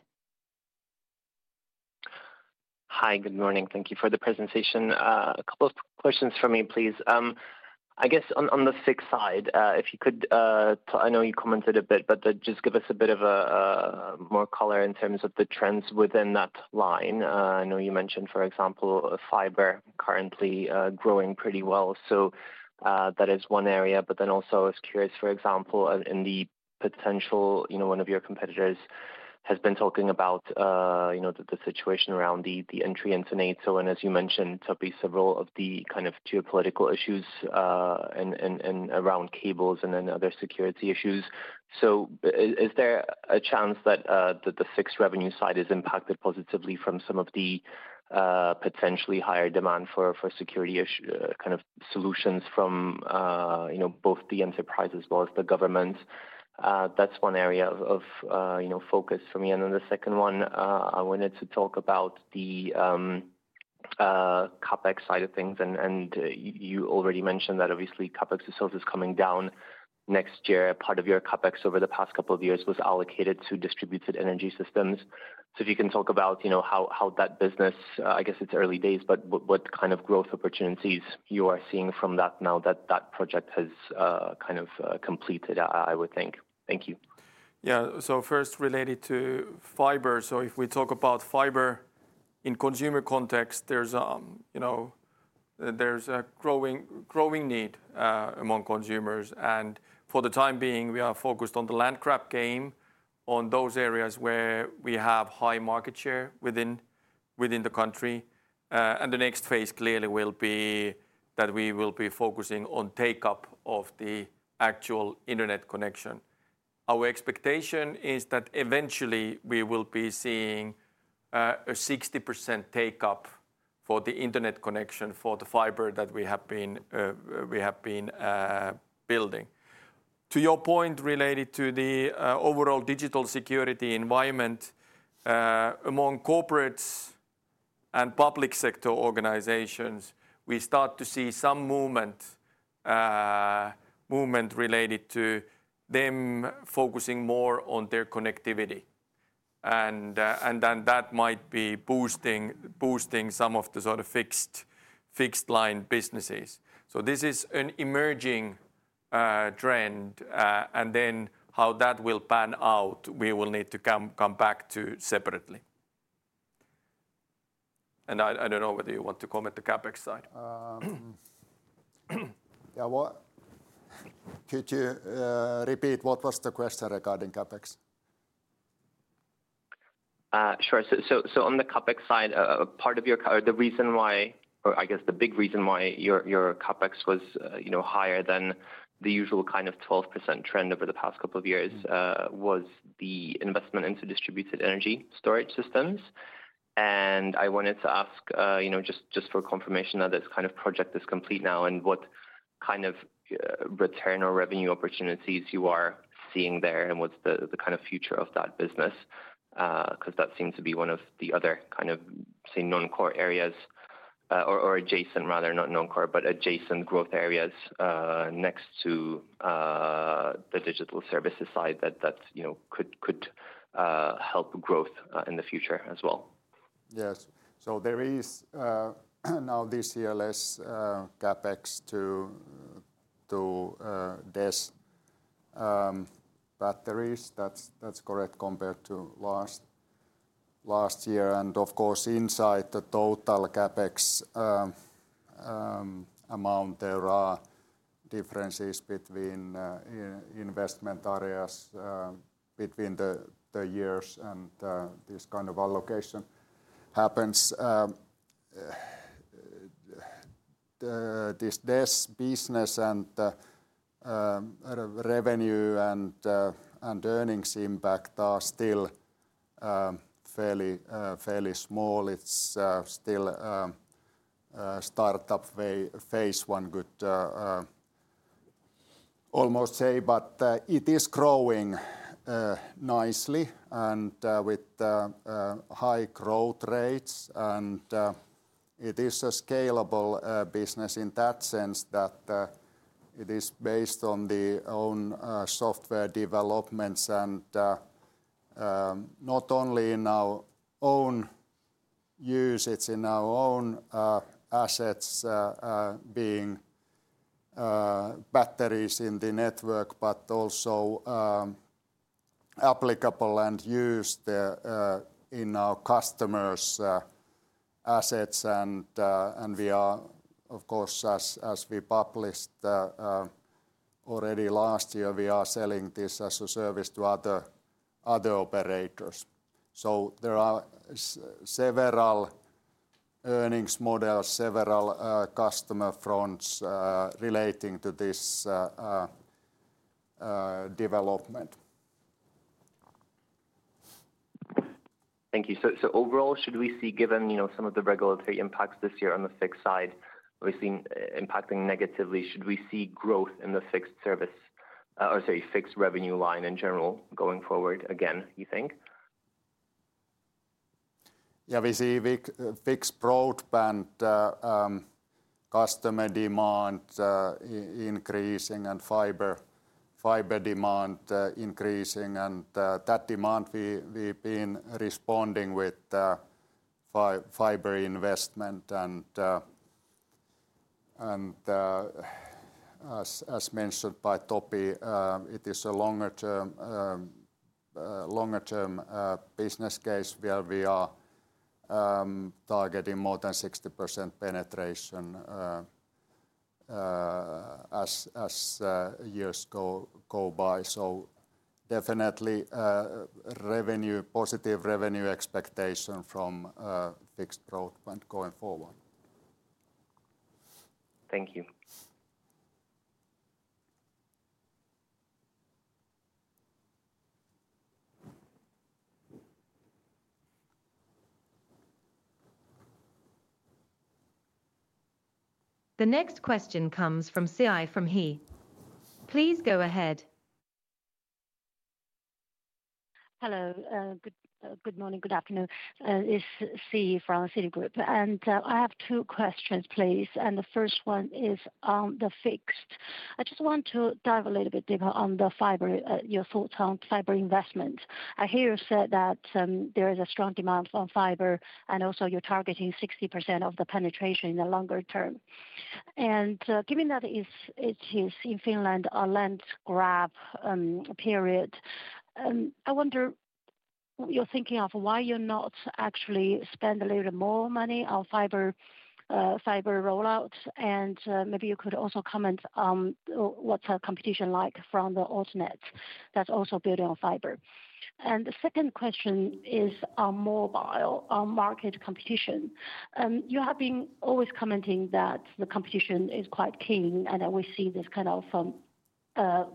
Hi, good morning. Thank you for the presentation. A couple of questions for me, please. I guess on the fixed side, if you could, I know you commented a bit, but just give us a bit of more color in terms of the trends within that line. I know you mentioned, for example, fiber currently growing pretty well. So that is one area, but then also I was curious, for example, in the potential, one of your competitors has been talking about the situation around the entry into NATO. And as you mentioned, Topi, several of the kind of geopolitical issues around cables and then other security issues. So is there a chance that the fixed revenue side is impacted positively from some of the potentially higher demand for security kind of solutions from both the enterprise as well as the government? That's one area of focus for me. And then the second one, I wanted to talk about the CapEx side of things. And you already mentioned that obviously CapEx resources coming down next year. Part of your CapEx over the past couple of years was allocated to distributed energy systems. So if you can talk about how that business, I guess it's early days, but what kind of growth opportunities you are seeing from that now that that project has kind of completed, I would think. Thank you. Yeah, so first related to fiber, so if we talk about fiber in consumer context, there's a growing need among consumers, and for the time being, we are focused on the land grab game on those areas where we have high market share within the country, and the next phase clearly will be that we will be focusing on take-up of the actual internet connection. Our expectation is that eventually we will be seeing a 60% take-up for the internet connection for the fiber that we have been building. To your point related to the overall digital security environment, among corporates and public sector organizations, we start to see some movement related to them focusing more on their connectivity, and then that might be boosting some of the sort of fixed line businesses. So this is an emerging trend, and then how that will pan out, we will need to come back to separately. And I don't know whether you want to comment on the CapEx side. Yeah [crosstak]. Could you repeat what was the question regarding CapEx? Sure. On the CapEx side, part of the reason why, or I guess the big reason why your CapEx was higher than the usual kind of 12% trend over the past couple of years was the investment into distributed energy storage systems. I wanted to ask just for confirmation that this kind of project is complete now and what kind of return or revenue opportunities you are seeing there and what's the kind of future of that business, because that seems to be one of the other kind of, say, non-core areas or adjacent, rather, not non-core, but adjacent growth areas next to the digital services side that could help growth in the future as well. Yes. So there is now this year less CapEx to these batteries. That's correct compared to last year. And of course, inside the total CapEx amount, there are differences between investment areas between the years and this kind of allocation happens. This business and revenue and earnings impact are still fairly small. It's still startup phase, one could almost say, but it is growing nicely and with high growth rates. And it is a scalable business in that sense that it is based on the own software developments and not only in our own use, it's in our own assets being batteries in the network, but also applicable and used in our customers' assets. And we are, of course, as we published already last year, we are selling this as a service to other operators. So there are several earnings models, several customer fronts relating to this development. Thank you. So overall, should we see, given some of the regulatory impacts this year on the fixed side, obviously impacting negatively, should we see growth in the fixed service or fixed revenue line in general going forward again, you think? Yeah, we see fixed broadband customer demand increasing and fiber demand increasing. And that demand, we've been responding with fiber investment. And as mentioned by Topi, it is a longer-term business case where we are targeting more than 60% penetration as years go by. So definitely positive revenue expectation from fixed broadband going forward. Thank you. The next question comes from Siyi He. Please go ahead. Hello. Good morning. Good afternoon. This is Siyi from Citigroup, and I have two questions, please. The first one is on the fixed. I just want to dive a little bit deeper on the fiber, your thoughts on fiber investment. I hear you said that there is a strong demand on fiber and also you're targeting 60% penetration in the longer term. Given that it is in Finland a land grab period, I wonder you're thinking of why you're not actually spending a little more money on fiber rollouts. And maybe you could also comment on what's the competition like from the alternatives that's also building on fiber. The second question is on mobile market competition. You have been always commenting that the competition is quite keen and that we see this kind of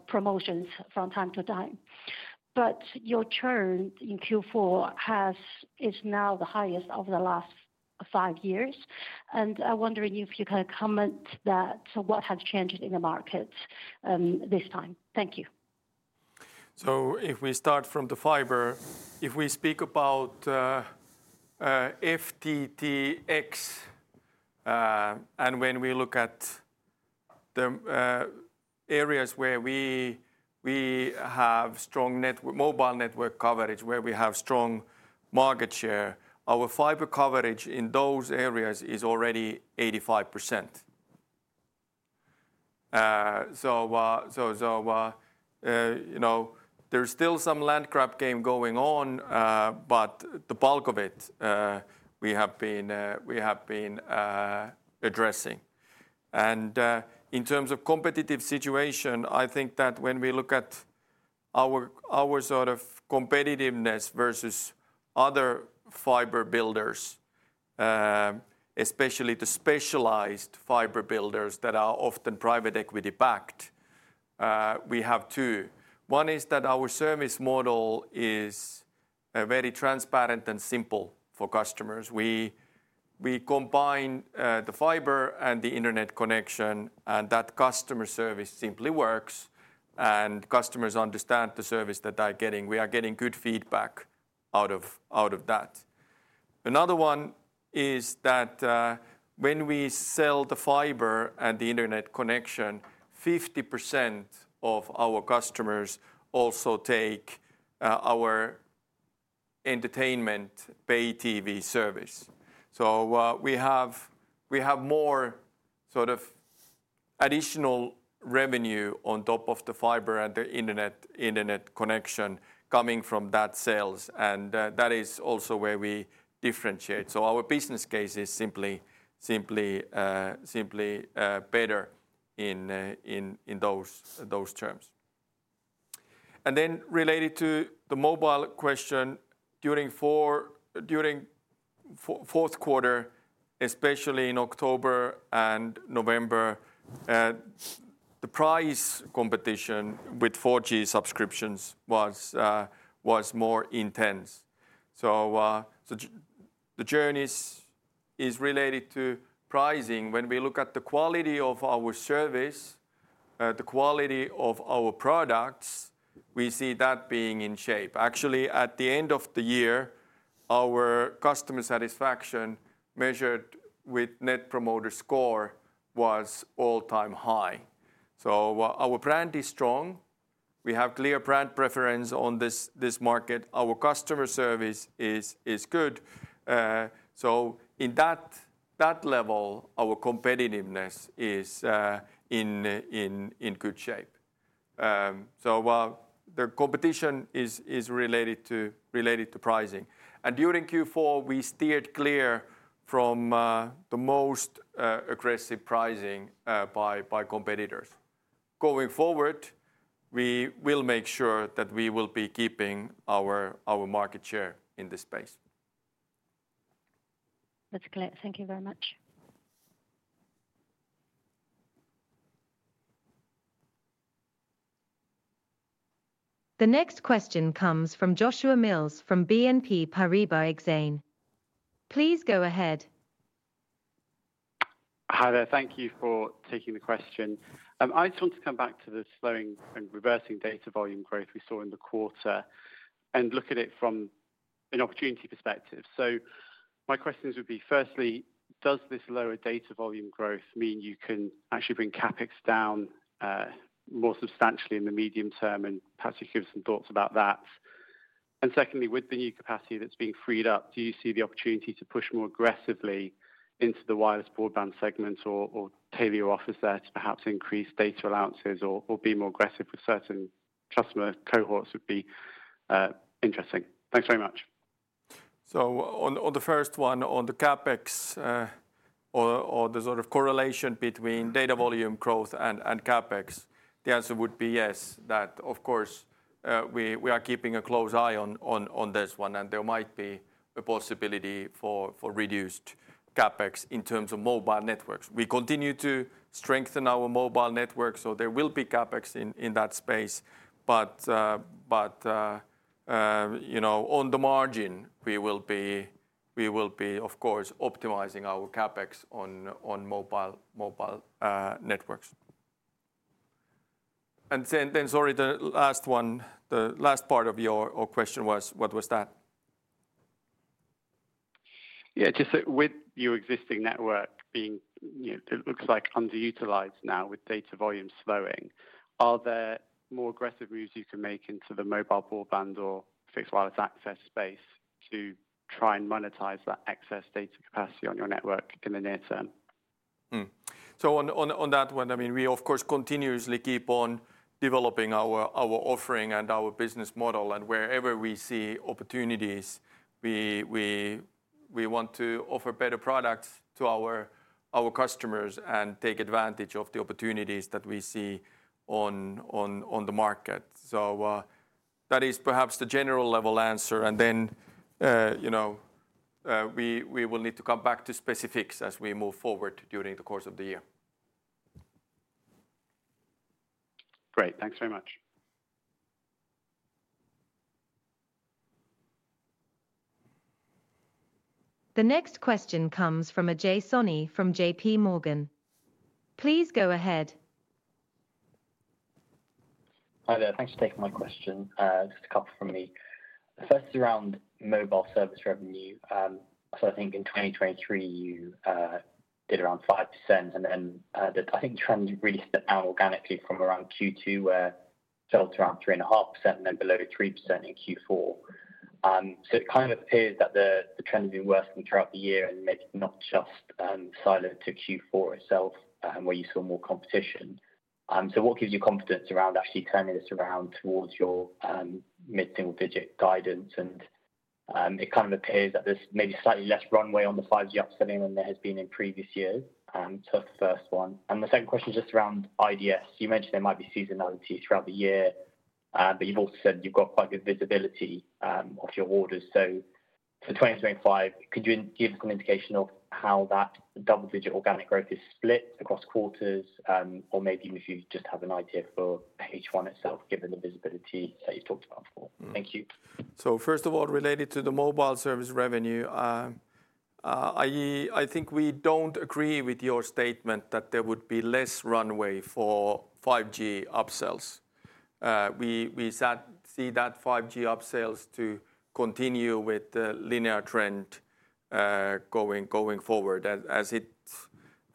promotions from time to time. But your churn in Q4 is now the highest over the last five years. And I wonder if you can comment that what has changed in the market this time? Thank you. So if we start from the fiber, if we speak about FTTX and when we look at the areas where we have strong mobile network coverage, where we have strong market share, our fiber coverage in those areas is already 85%. So there's still some land grab game going on, but the bulk of it we have been addressing. And in terms of competitive situation, I think that when we look at our sort of competitiveness versus other fiber builders, especially the specialized fiber builders that are often private equity backed, we have two. One is that our service model is very transparent and simple for customers. We combine the fiber and the internet connection, and that customer service simply works, and customers understand the service that they're getting. We are getting good feedback out of that. Another one is that when we sell the fiber and the internet connection, 50% of our customers also take our entertainment pay TV service. So we have more sort of additional revenue on top of the fiber and the internet connection coming from that sales. And that is also where we differentiate. So our business case is simply better in those terms. And then related to the mobile question, during fourth quarter, especially in October and November, the price competition with 4G subscriptions was more intense. So the churn is related to pricing. When we look at the quality of our service, the quality of our products, we see that being in shape. Actually, at the end of the year, our customer satisfaction measured with Net Promoter Score was all-time high. So our brand is strong. We have clear brand preference on this market. Our customer service is good. So in that level, our competitiveness is in good shape. So the competition is related to pricing. And during Q4, we steered clear from the most aggressive pricing by competitors. Going forward, we will make sure that we will be keeping our market share in this space. That's clear. Thank you very much. The next question comes from Joshua Mills from BNP Paribas Exane. Please go ahead. Hi there. Thank you for taking the question. I just want to come back to the slowing and reversing data volume growth we saw in the quarter and look at it from an opportunity perspective. So my questions would be, firstly, does this lower data volume growth mean you can actually bring CapEx down more substantially in the medium term and perhaps you give some thoughts about that? And secondly, with the new capacity that's being freed up, do you see the opportunity to push more aggressively into the wireless broadband segment or tailor your offer there to perhaps increase data allowances or be more aggressive with certain customer cohorts would be interesting? Thanks very much. So on the first one, on the CapEx or the sort of correlation between data volume growth and CapEx, the answer would be yes, that of course we are keeping a close eye on this one and there might be a possibility for reduced CapEx in terms of mobile networks. We continue to strengthen our mobile networks, so there will be CapEx in that space. But on the margin, we will be, of course, optimizing our CapEx on mobile networks. And then, sorry, the last one, the last part of your question was, what was that? Yeah, just that with your existing network being, it looks like underutilized now with data volume slowing, are there more aggressive moves you can make into the mobile broadband or fixed wireless access space to try and monetize that excess data capacity on your network in the near term? So on that one, I mean, we, of course, continuously keep on developing our offering and our business model. And wherever we see opportunities, we want to offer better products to our customers and take advantage of the opportunities that we see on the market. So that is perhaps the general level answer. And then we will need to come back to specifics as we move forward during the course of the year. Great. Thanks very much. The next question comes from Ajay Soni from J.P. Morgan. Please go ahead. Hi there. Thanks for taking my question. Just a couple from me. The first is around mobile service revenue. So I think in 2023, you did around 5%. And then I think the trend really slid down organically from around Q2, where it fell to around 3.5% and then below 3% in Q4. So it kind of appears that the trend has been worsening throughout the year and maybe not just siloed to Q4 itself, where you saw more competition. So what gives you confidence around actually turning this around towards your mid-single-digit guidance? And it kind of appears that there's maybe slightly less runway on the 5G upselling than there has been in previous years. So that's the first one. And the second question is just around IDS. You mentioned there might be seasonality throughout the year, but you've also said you've got quite good visibility of your orders. So for 2025, could you give us an indication of how that double-digit organic growth is split across quarters or maybe if you just have an idea for H1 itself, given the visibility that you've talked about before? Thank you. First of all, related to the mobile service revenue, I think we don't agree with your statement that there would be less runway for 5G upsells. We see that 5G upsells to continue with the linear trend going forward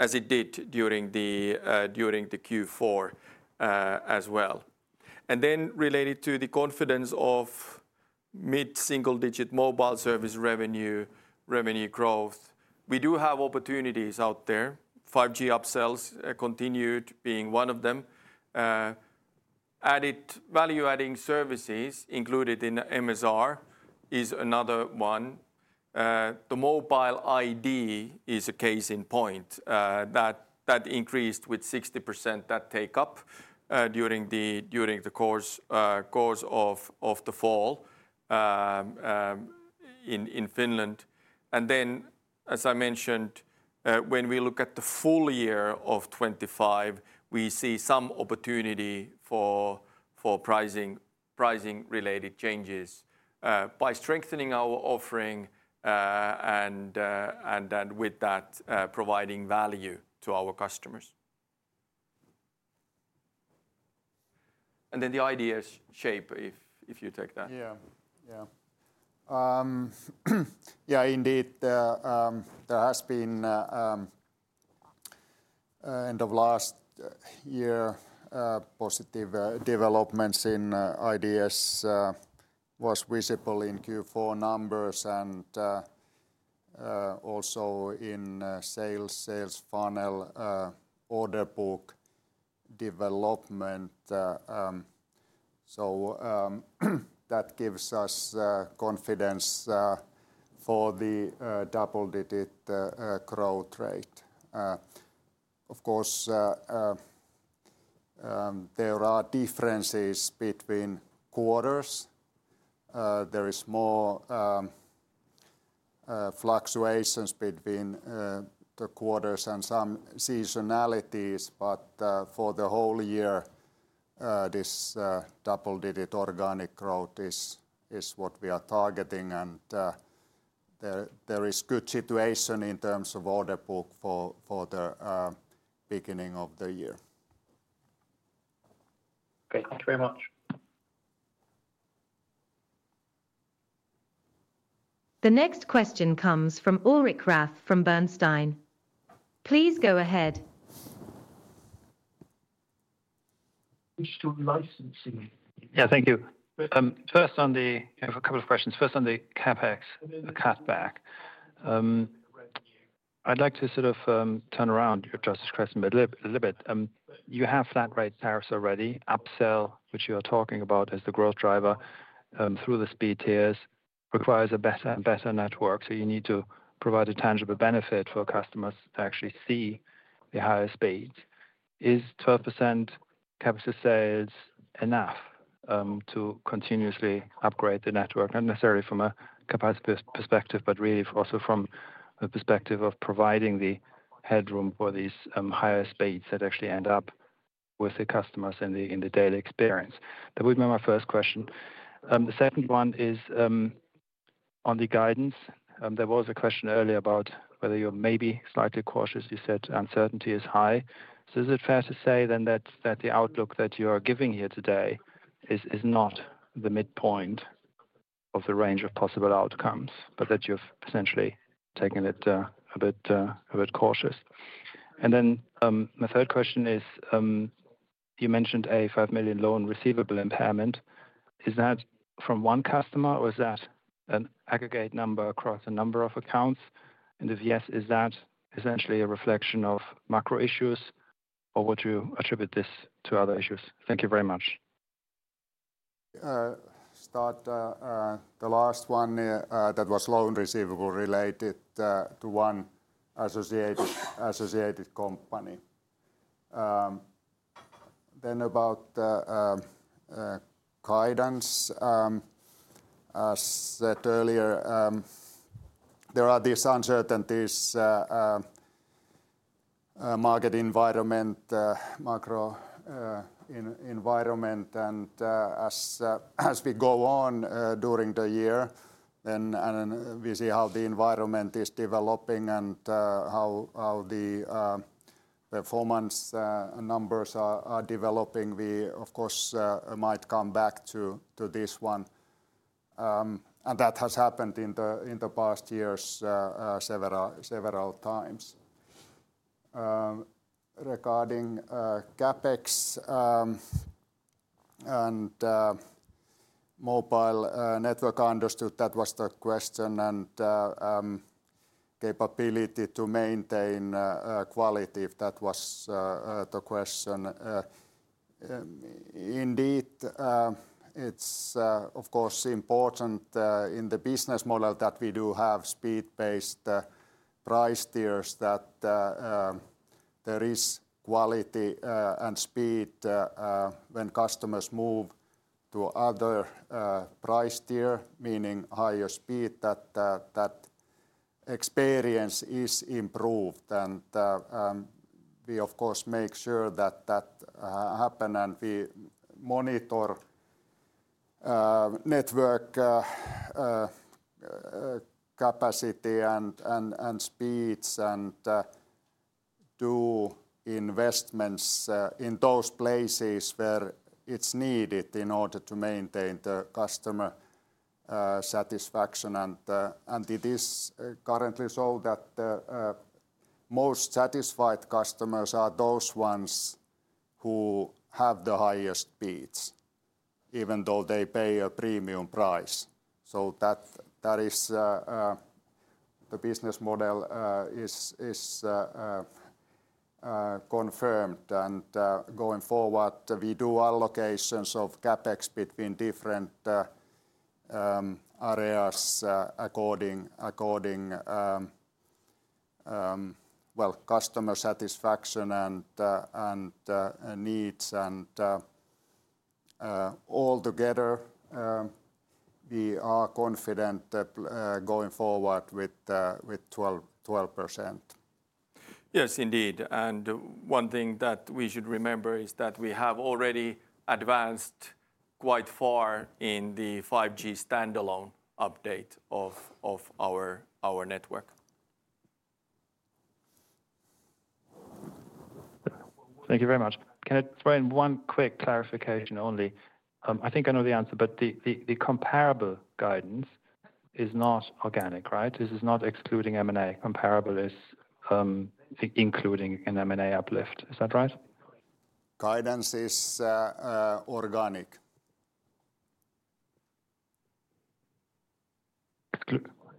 as it did during the Q4 as well. And then related to the confidence of mid-single-digit mobile service revenue growth, we do have opportunities out there. 5G upsells continued being one of them. Added value-adding services included in MSR is another one. The mobile ID is a case in point. That increased with 60% that take up during the course of the fall in Finland. And then, as I mentioned, when we look at the full year of 2025, we see some opportunity for pricing-related changes by strengthening our offering and with that providing value to our customers. And then the IDS shape, if you take that. Yeah, yeah. Yeah, indeed. There has been end of last year positive developments in IDS, was visible in Q4 numbers and also in sales, sales funnel, order book development. So that gives us confidence for the double-digit growth rate. Of course, there are differences between quarters. There is more fluctuations between the quarters and some seasonalities. But for the whole year, this double-digit organic growth is what we are targeting, and there is good situation in terms of order book for the beginning of the year. Great. Thank you very much. The next question comes from Ulrich Rathe from Bernstein. Please go ahead. Yeah, thank you. First on the, I have a couple of questions. First on the CapEx, the CapEx. I'd like to sort of turn around your latest question a little bit. You have flat rate tariffs already. Upsell, which you are talking about as the growth driver through the speed tiers, requires a better and better network. So you need to provide a tangible benefit for customers to actually see the higher speeds. Is 12% CapEx of sales enough to continuously upgrade the network, not necessarily from a capacity perspective, but really also from the perspective of providing the headroom for these higher speeds that actually end up with the customers in the daily experience? That would be my first question. The second one is on the guidance. There was a question earlier about whether you're maybe slightly cautious. You said uncertainty is high. So is it fair to say then that the outlook that you are giving here today is not the midpoint of the range of possible outcomes, but that you've essentially taken it a bit cautious? And then my third question is, you mentioned a €5 million loan receivable impairment. Is that from one customer or is that an aggregate number across a number of accounts? And if yes, is that essentially a reflection of macro issues or would you attribute this to other issues? Thank you very much. Start the last one that was loan receivable related to one associated company. Then about guidance, as said earlier, there are these uncertainties, market environment, macro environment. And as we go on during the year, and we see how the environment is developing and how the performance numbers are developing, we, of course, might come back to this one. That has happened in the past years several times. Regarding CapEx and mobile network, I understood that was the question and capability to maintain quality, if that was the question. Indeed, it's of course important in the business model that we do have speed-based price tiers, that there is quality and speed when customers move to other price tier, meaning higher speed, that experience is improved. We, of course, make sure that that happens and we monitor network capacity and speeds and do investments in those places where it's needed in order to maintain the customer satisfaction. It is currently so that most satisfied customers are those ones who have the highest speeds, even though they pay a premium price. So that is the business model is confirmed. Going forward, we do allocations of CapEx between different areas according, well, customer satisfaction and needs. Altogether, we are confident going forward with 12%. Yes, indeed. And one thing that we should remember is that we have already advanced quite far in the 5G Standalone update of our network. Thank you very much. Can I throw in one quick clarification only? I think I know the answer, but the comparable guidance is not organic, right? This is not excluding M&A. Comparable is including an M&A uplift. Is that right? Guidance is organic.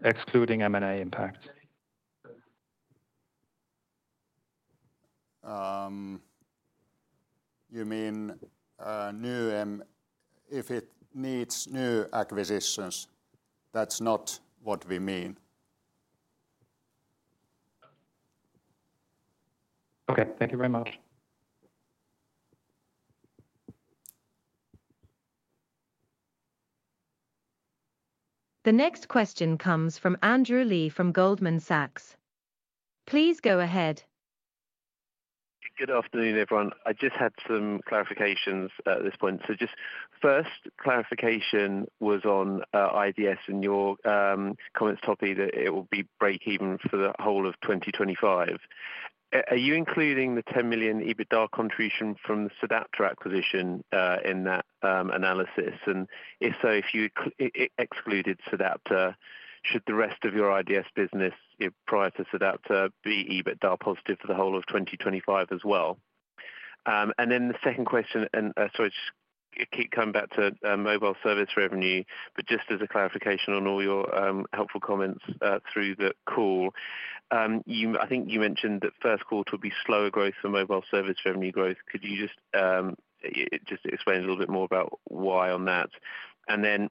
Excluding M&A impact. You mean new? If it needs new acquisitions, that's not what we mean. Okay. Thank you very much. The next question comes from Andrew Lee from Goldman Sachs. Please go ahead. Good afternoon, everyone. I just had some clarifications at this point. So just first clarification was on IDS and your comments, Topi, that it will be break-even for the whole of 2025. Are you including the €10 million EBITDA contribution from the sedApta acquisition in that analysis? And if so, if you excluded sedApta, should the rest of your IDS business prior to sedApta be EBITDA positive for the whole of 2025 as well? And then the second question, and sorry, just keep coming back to mobile service revenue, but just as a clarification on all your helpful comments through the call, I think you mentioned that first quarter would be slower growth for mobile service revenue growth. Could you just explain a little bit more about why on that? And then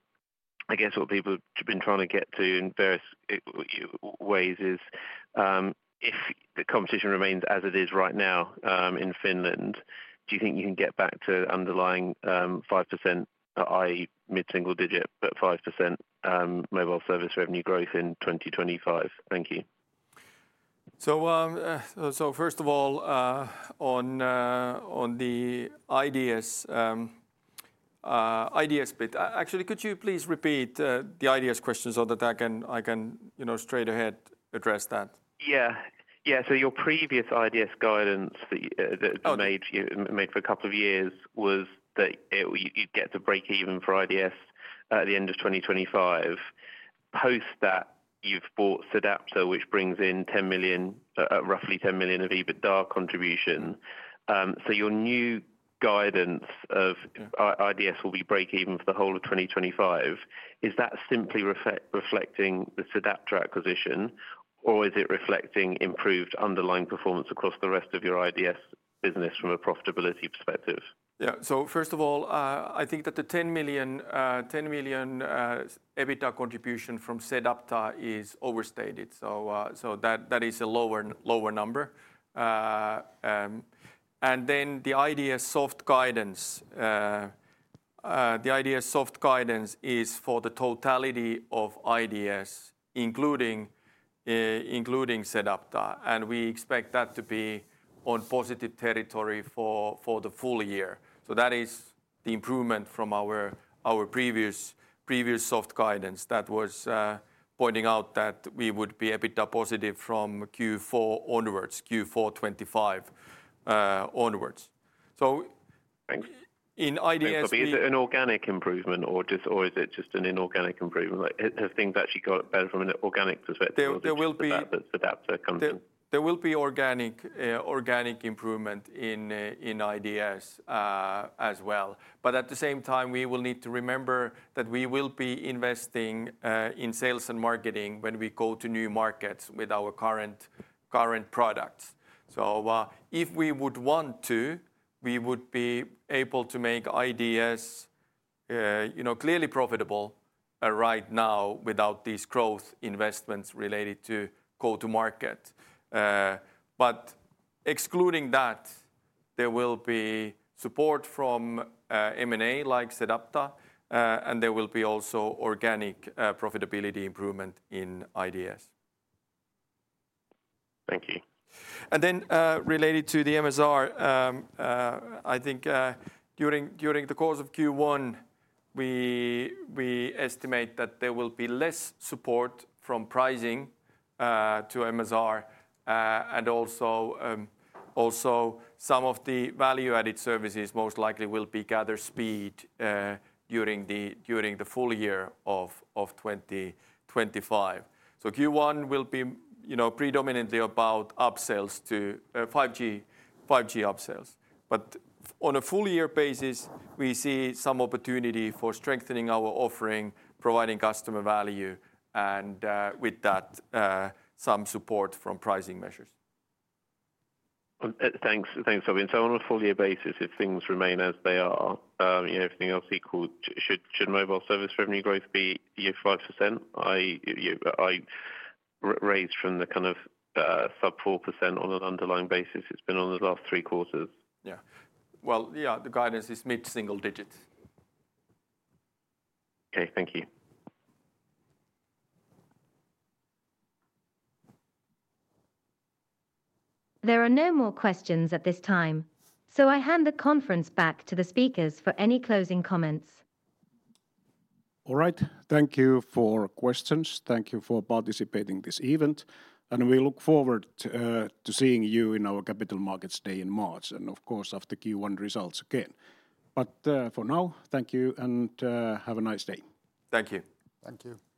I guess what people have been trying to get to in various ways is if the competition remains as it is right now in Finland, do you think you can get back to underlying 5%, i.e., mid-single-digit, but 5% mobile service revenue growth in 2025? Thank you. First of all, on the IDS bit, actually, could you please repeat the IDS question so that I can straight ahead address that? Yeah. Yeah. So your previous IDS guidance that you made for a couple of years was that you'd get to break-even for IDS at the end of 2025. Post that, you've bought sedApta, which brings in roughly 10 million of EBITDA contribution. So your new guidance of IDS will be break-even for the whole of 2025. Is that simply reflecting the sedApta acquisition, or is it reflecting improved underlying performance across the rest of your IDS business from a profitability perspective? Yeah. So first of all, I think that the €10 million EBITDA contribution from sedApta is overstated. So that is a lower number. And then the IDS soft guidance, the IDS soft guidance is for the totality of IDS, including sedApta. And we expect that to be on positive territory for the full year. So that is the improvement from our previous soft guidance that was pointing out that we would be EBITDA positive from Q4 onwards, Q4 2025 onwards. So in IDS. Thank you. An organic improvement, or is it just an inorganic improvement? Have things actually got better from an organic perspective? There will be. sedApta comes in. There will be organic improvement in IDS as well. But at the same time, we will need to remember that we will be investing in sales and marketing when we go to new markets with our current products. So if we would want to, we would be able to make IDS clearly profitable right now without these growth investments related to go-to-market. But excluding that, there will be support from M&A like sedApta, and there will be also organic profitability improvement in IDS. Thank you. And then, related to the MSR, I think during the course of Q1, we estimate that there will be less support from pricing to MSR. And also, some of the value-added services most likely will be gathering speed during the full year of 2025. So Q1 will be predominantly about upsells to 5G upsells. But on a full-year basis, we see some opportunity for strengthening our offering, providing customer value, and with that, some support from pricing measures. Thanks, Topi. So on a full-year basis, if things remain as they are, everything else equal, should mobile service revenue growth be year 5%? I raised from the kind of sub 4% on an underlying basis. It's been on the last three quarters. Yeah. Well, yeah, the guidance is mid-single digits. Okay. Thank you. There are no more questions at this time. So I hand the conference back to the speakers for any closing comments. All right. Thank you for questions. Thank you for participating in this event, and we look forward to seeing you in our Capital Markets Day in March and, of course, after Q1 results again, but for now, thank you and have a nice day. Thank you. Thank you.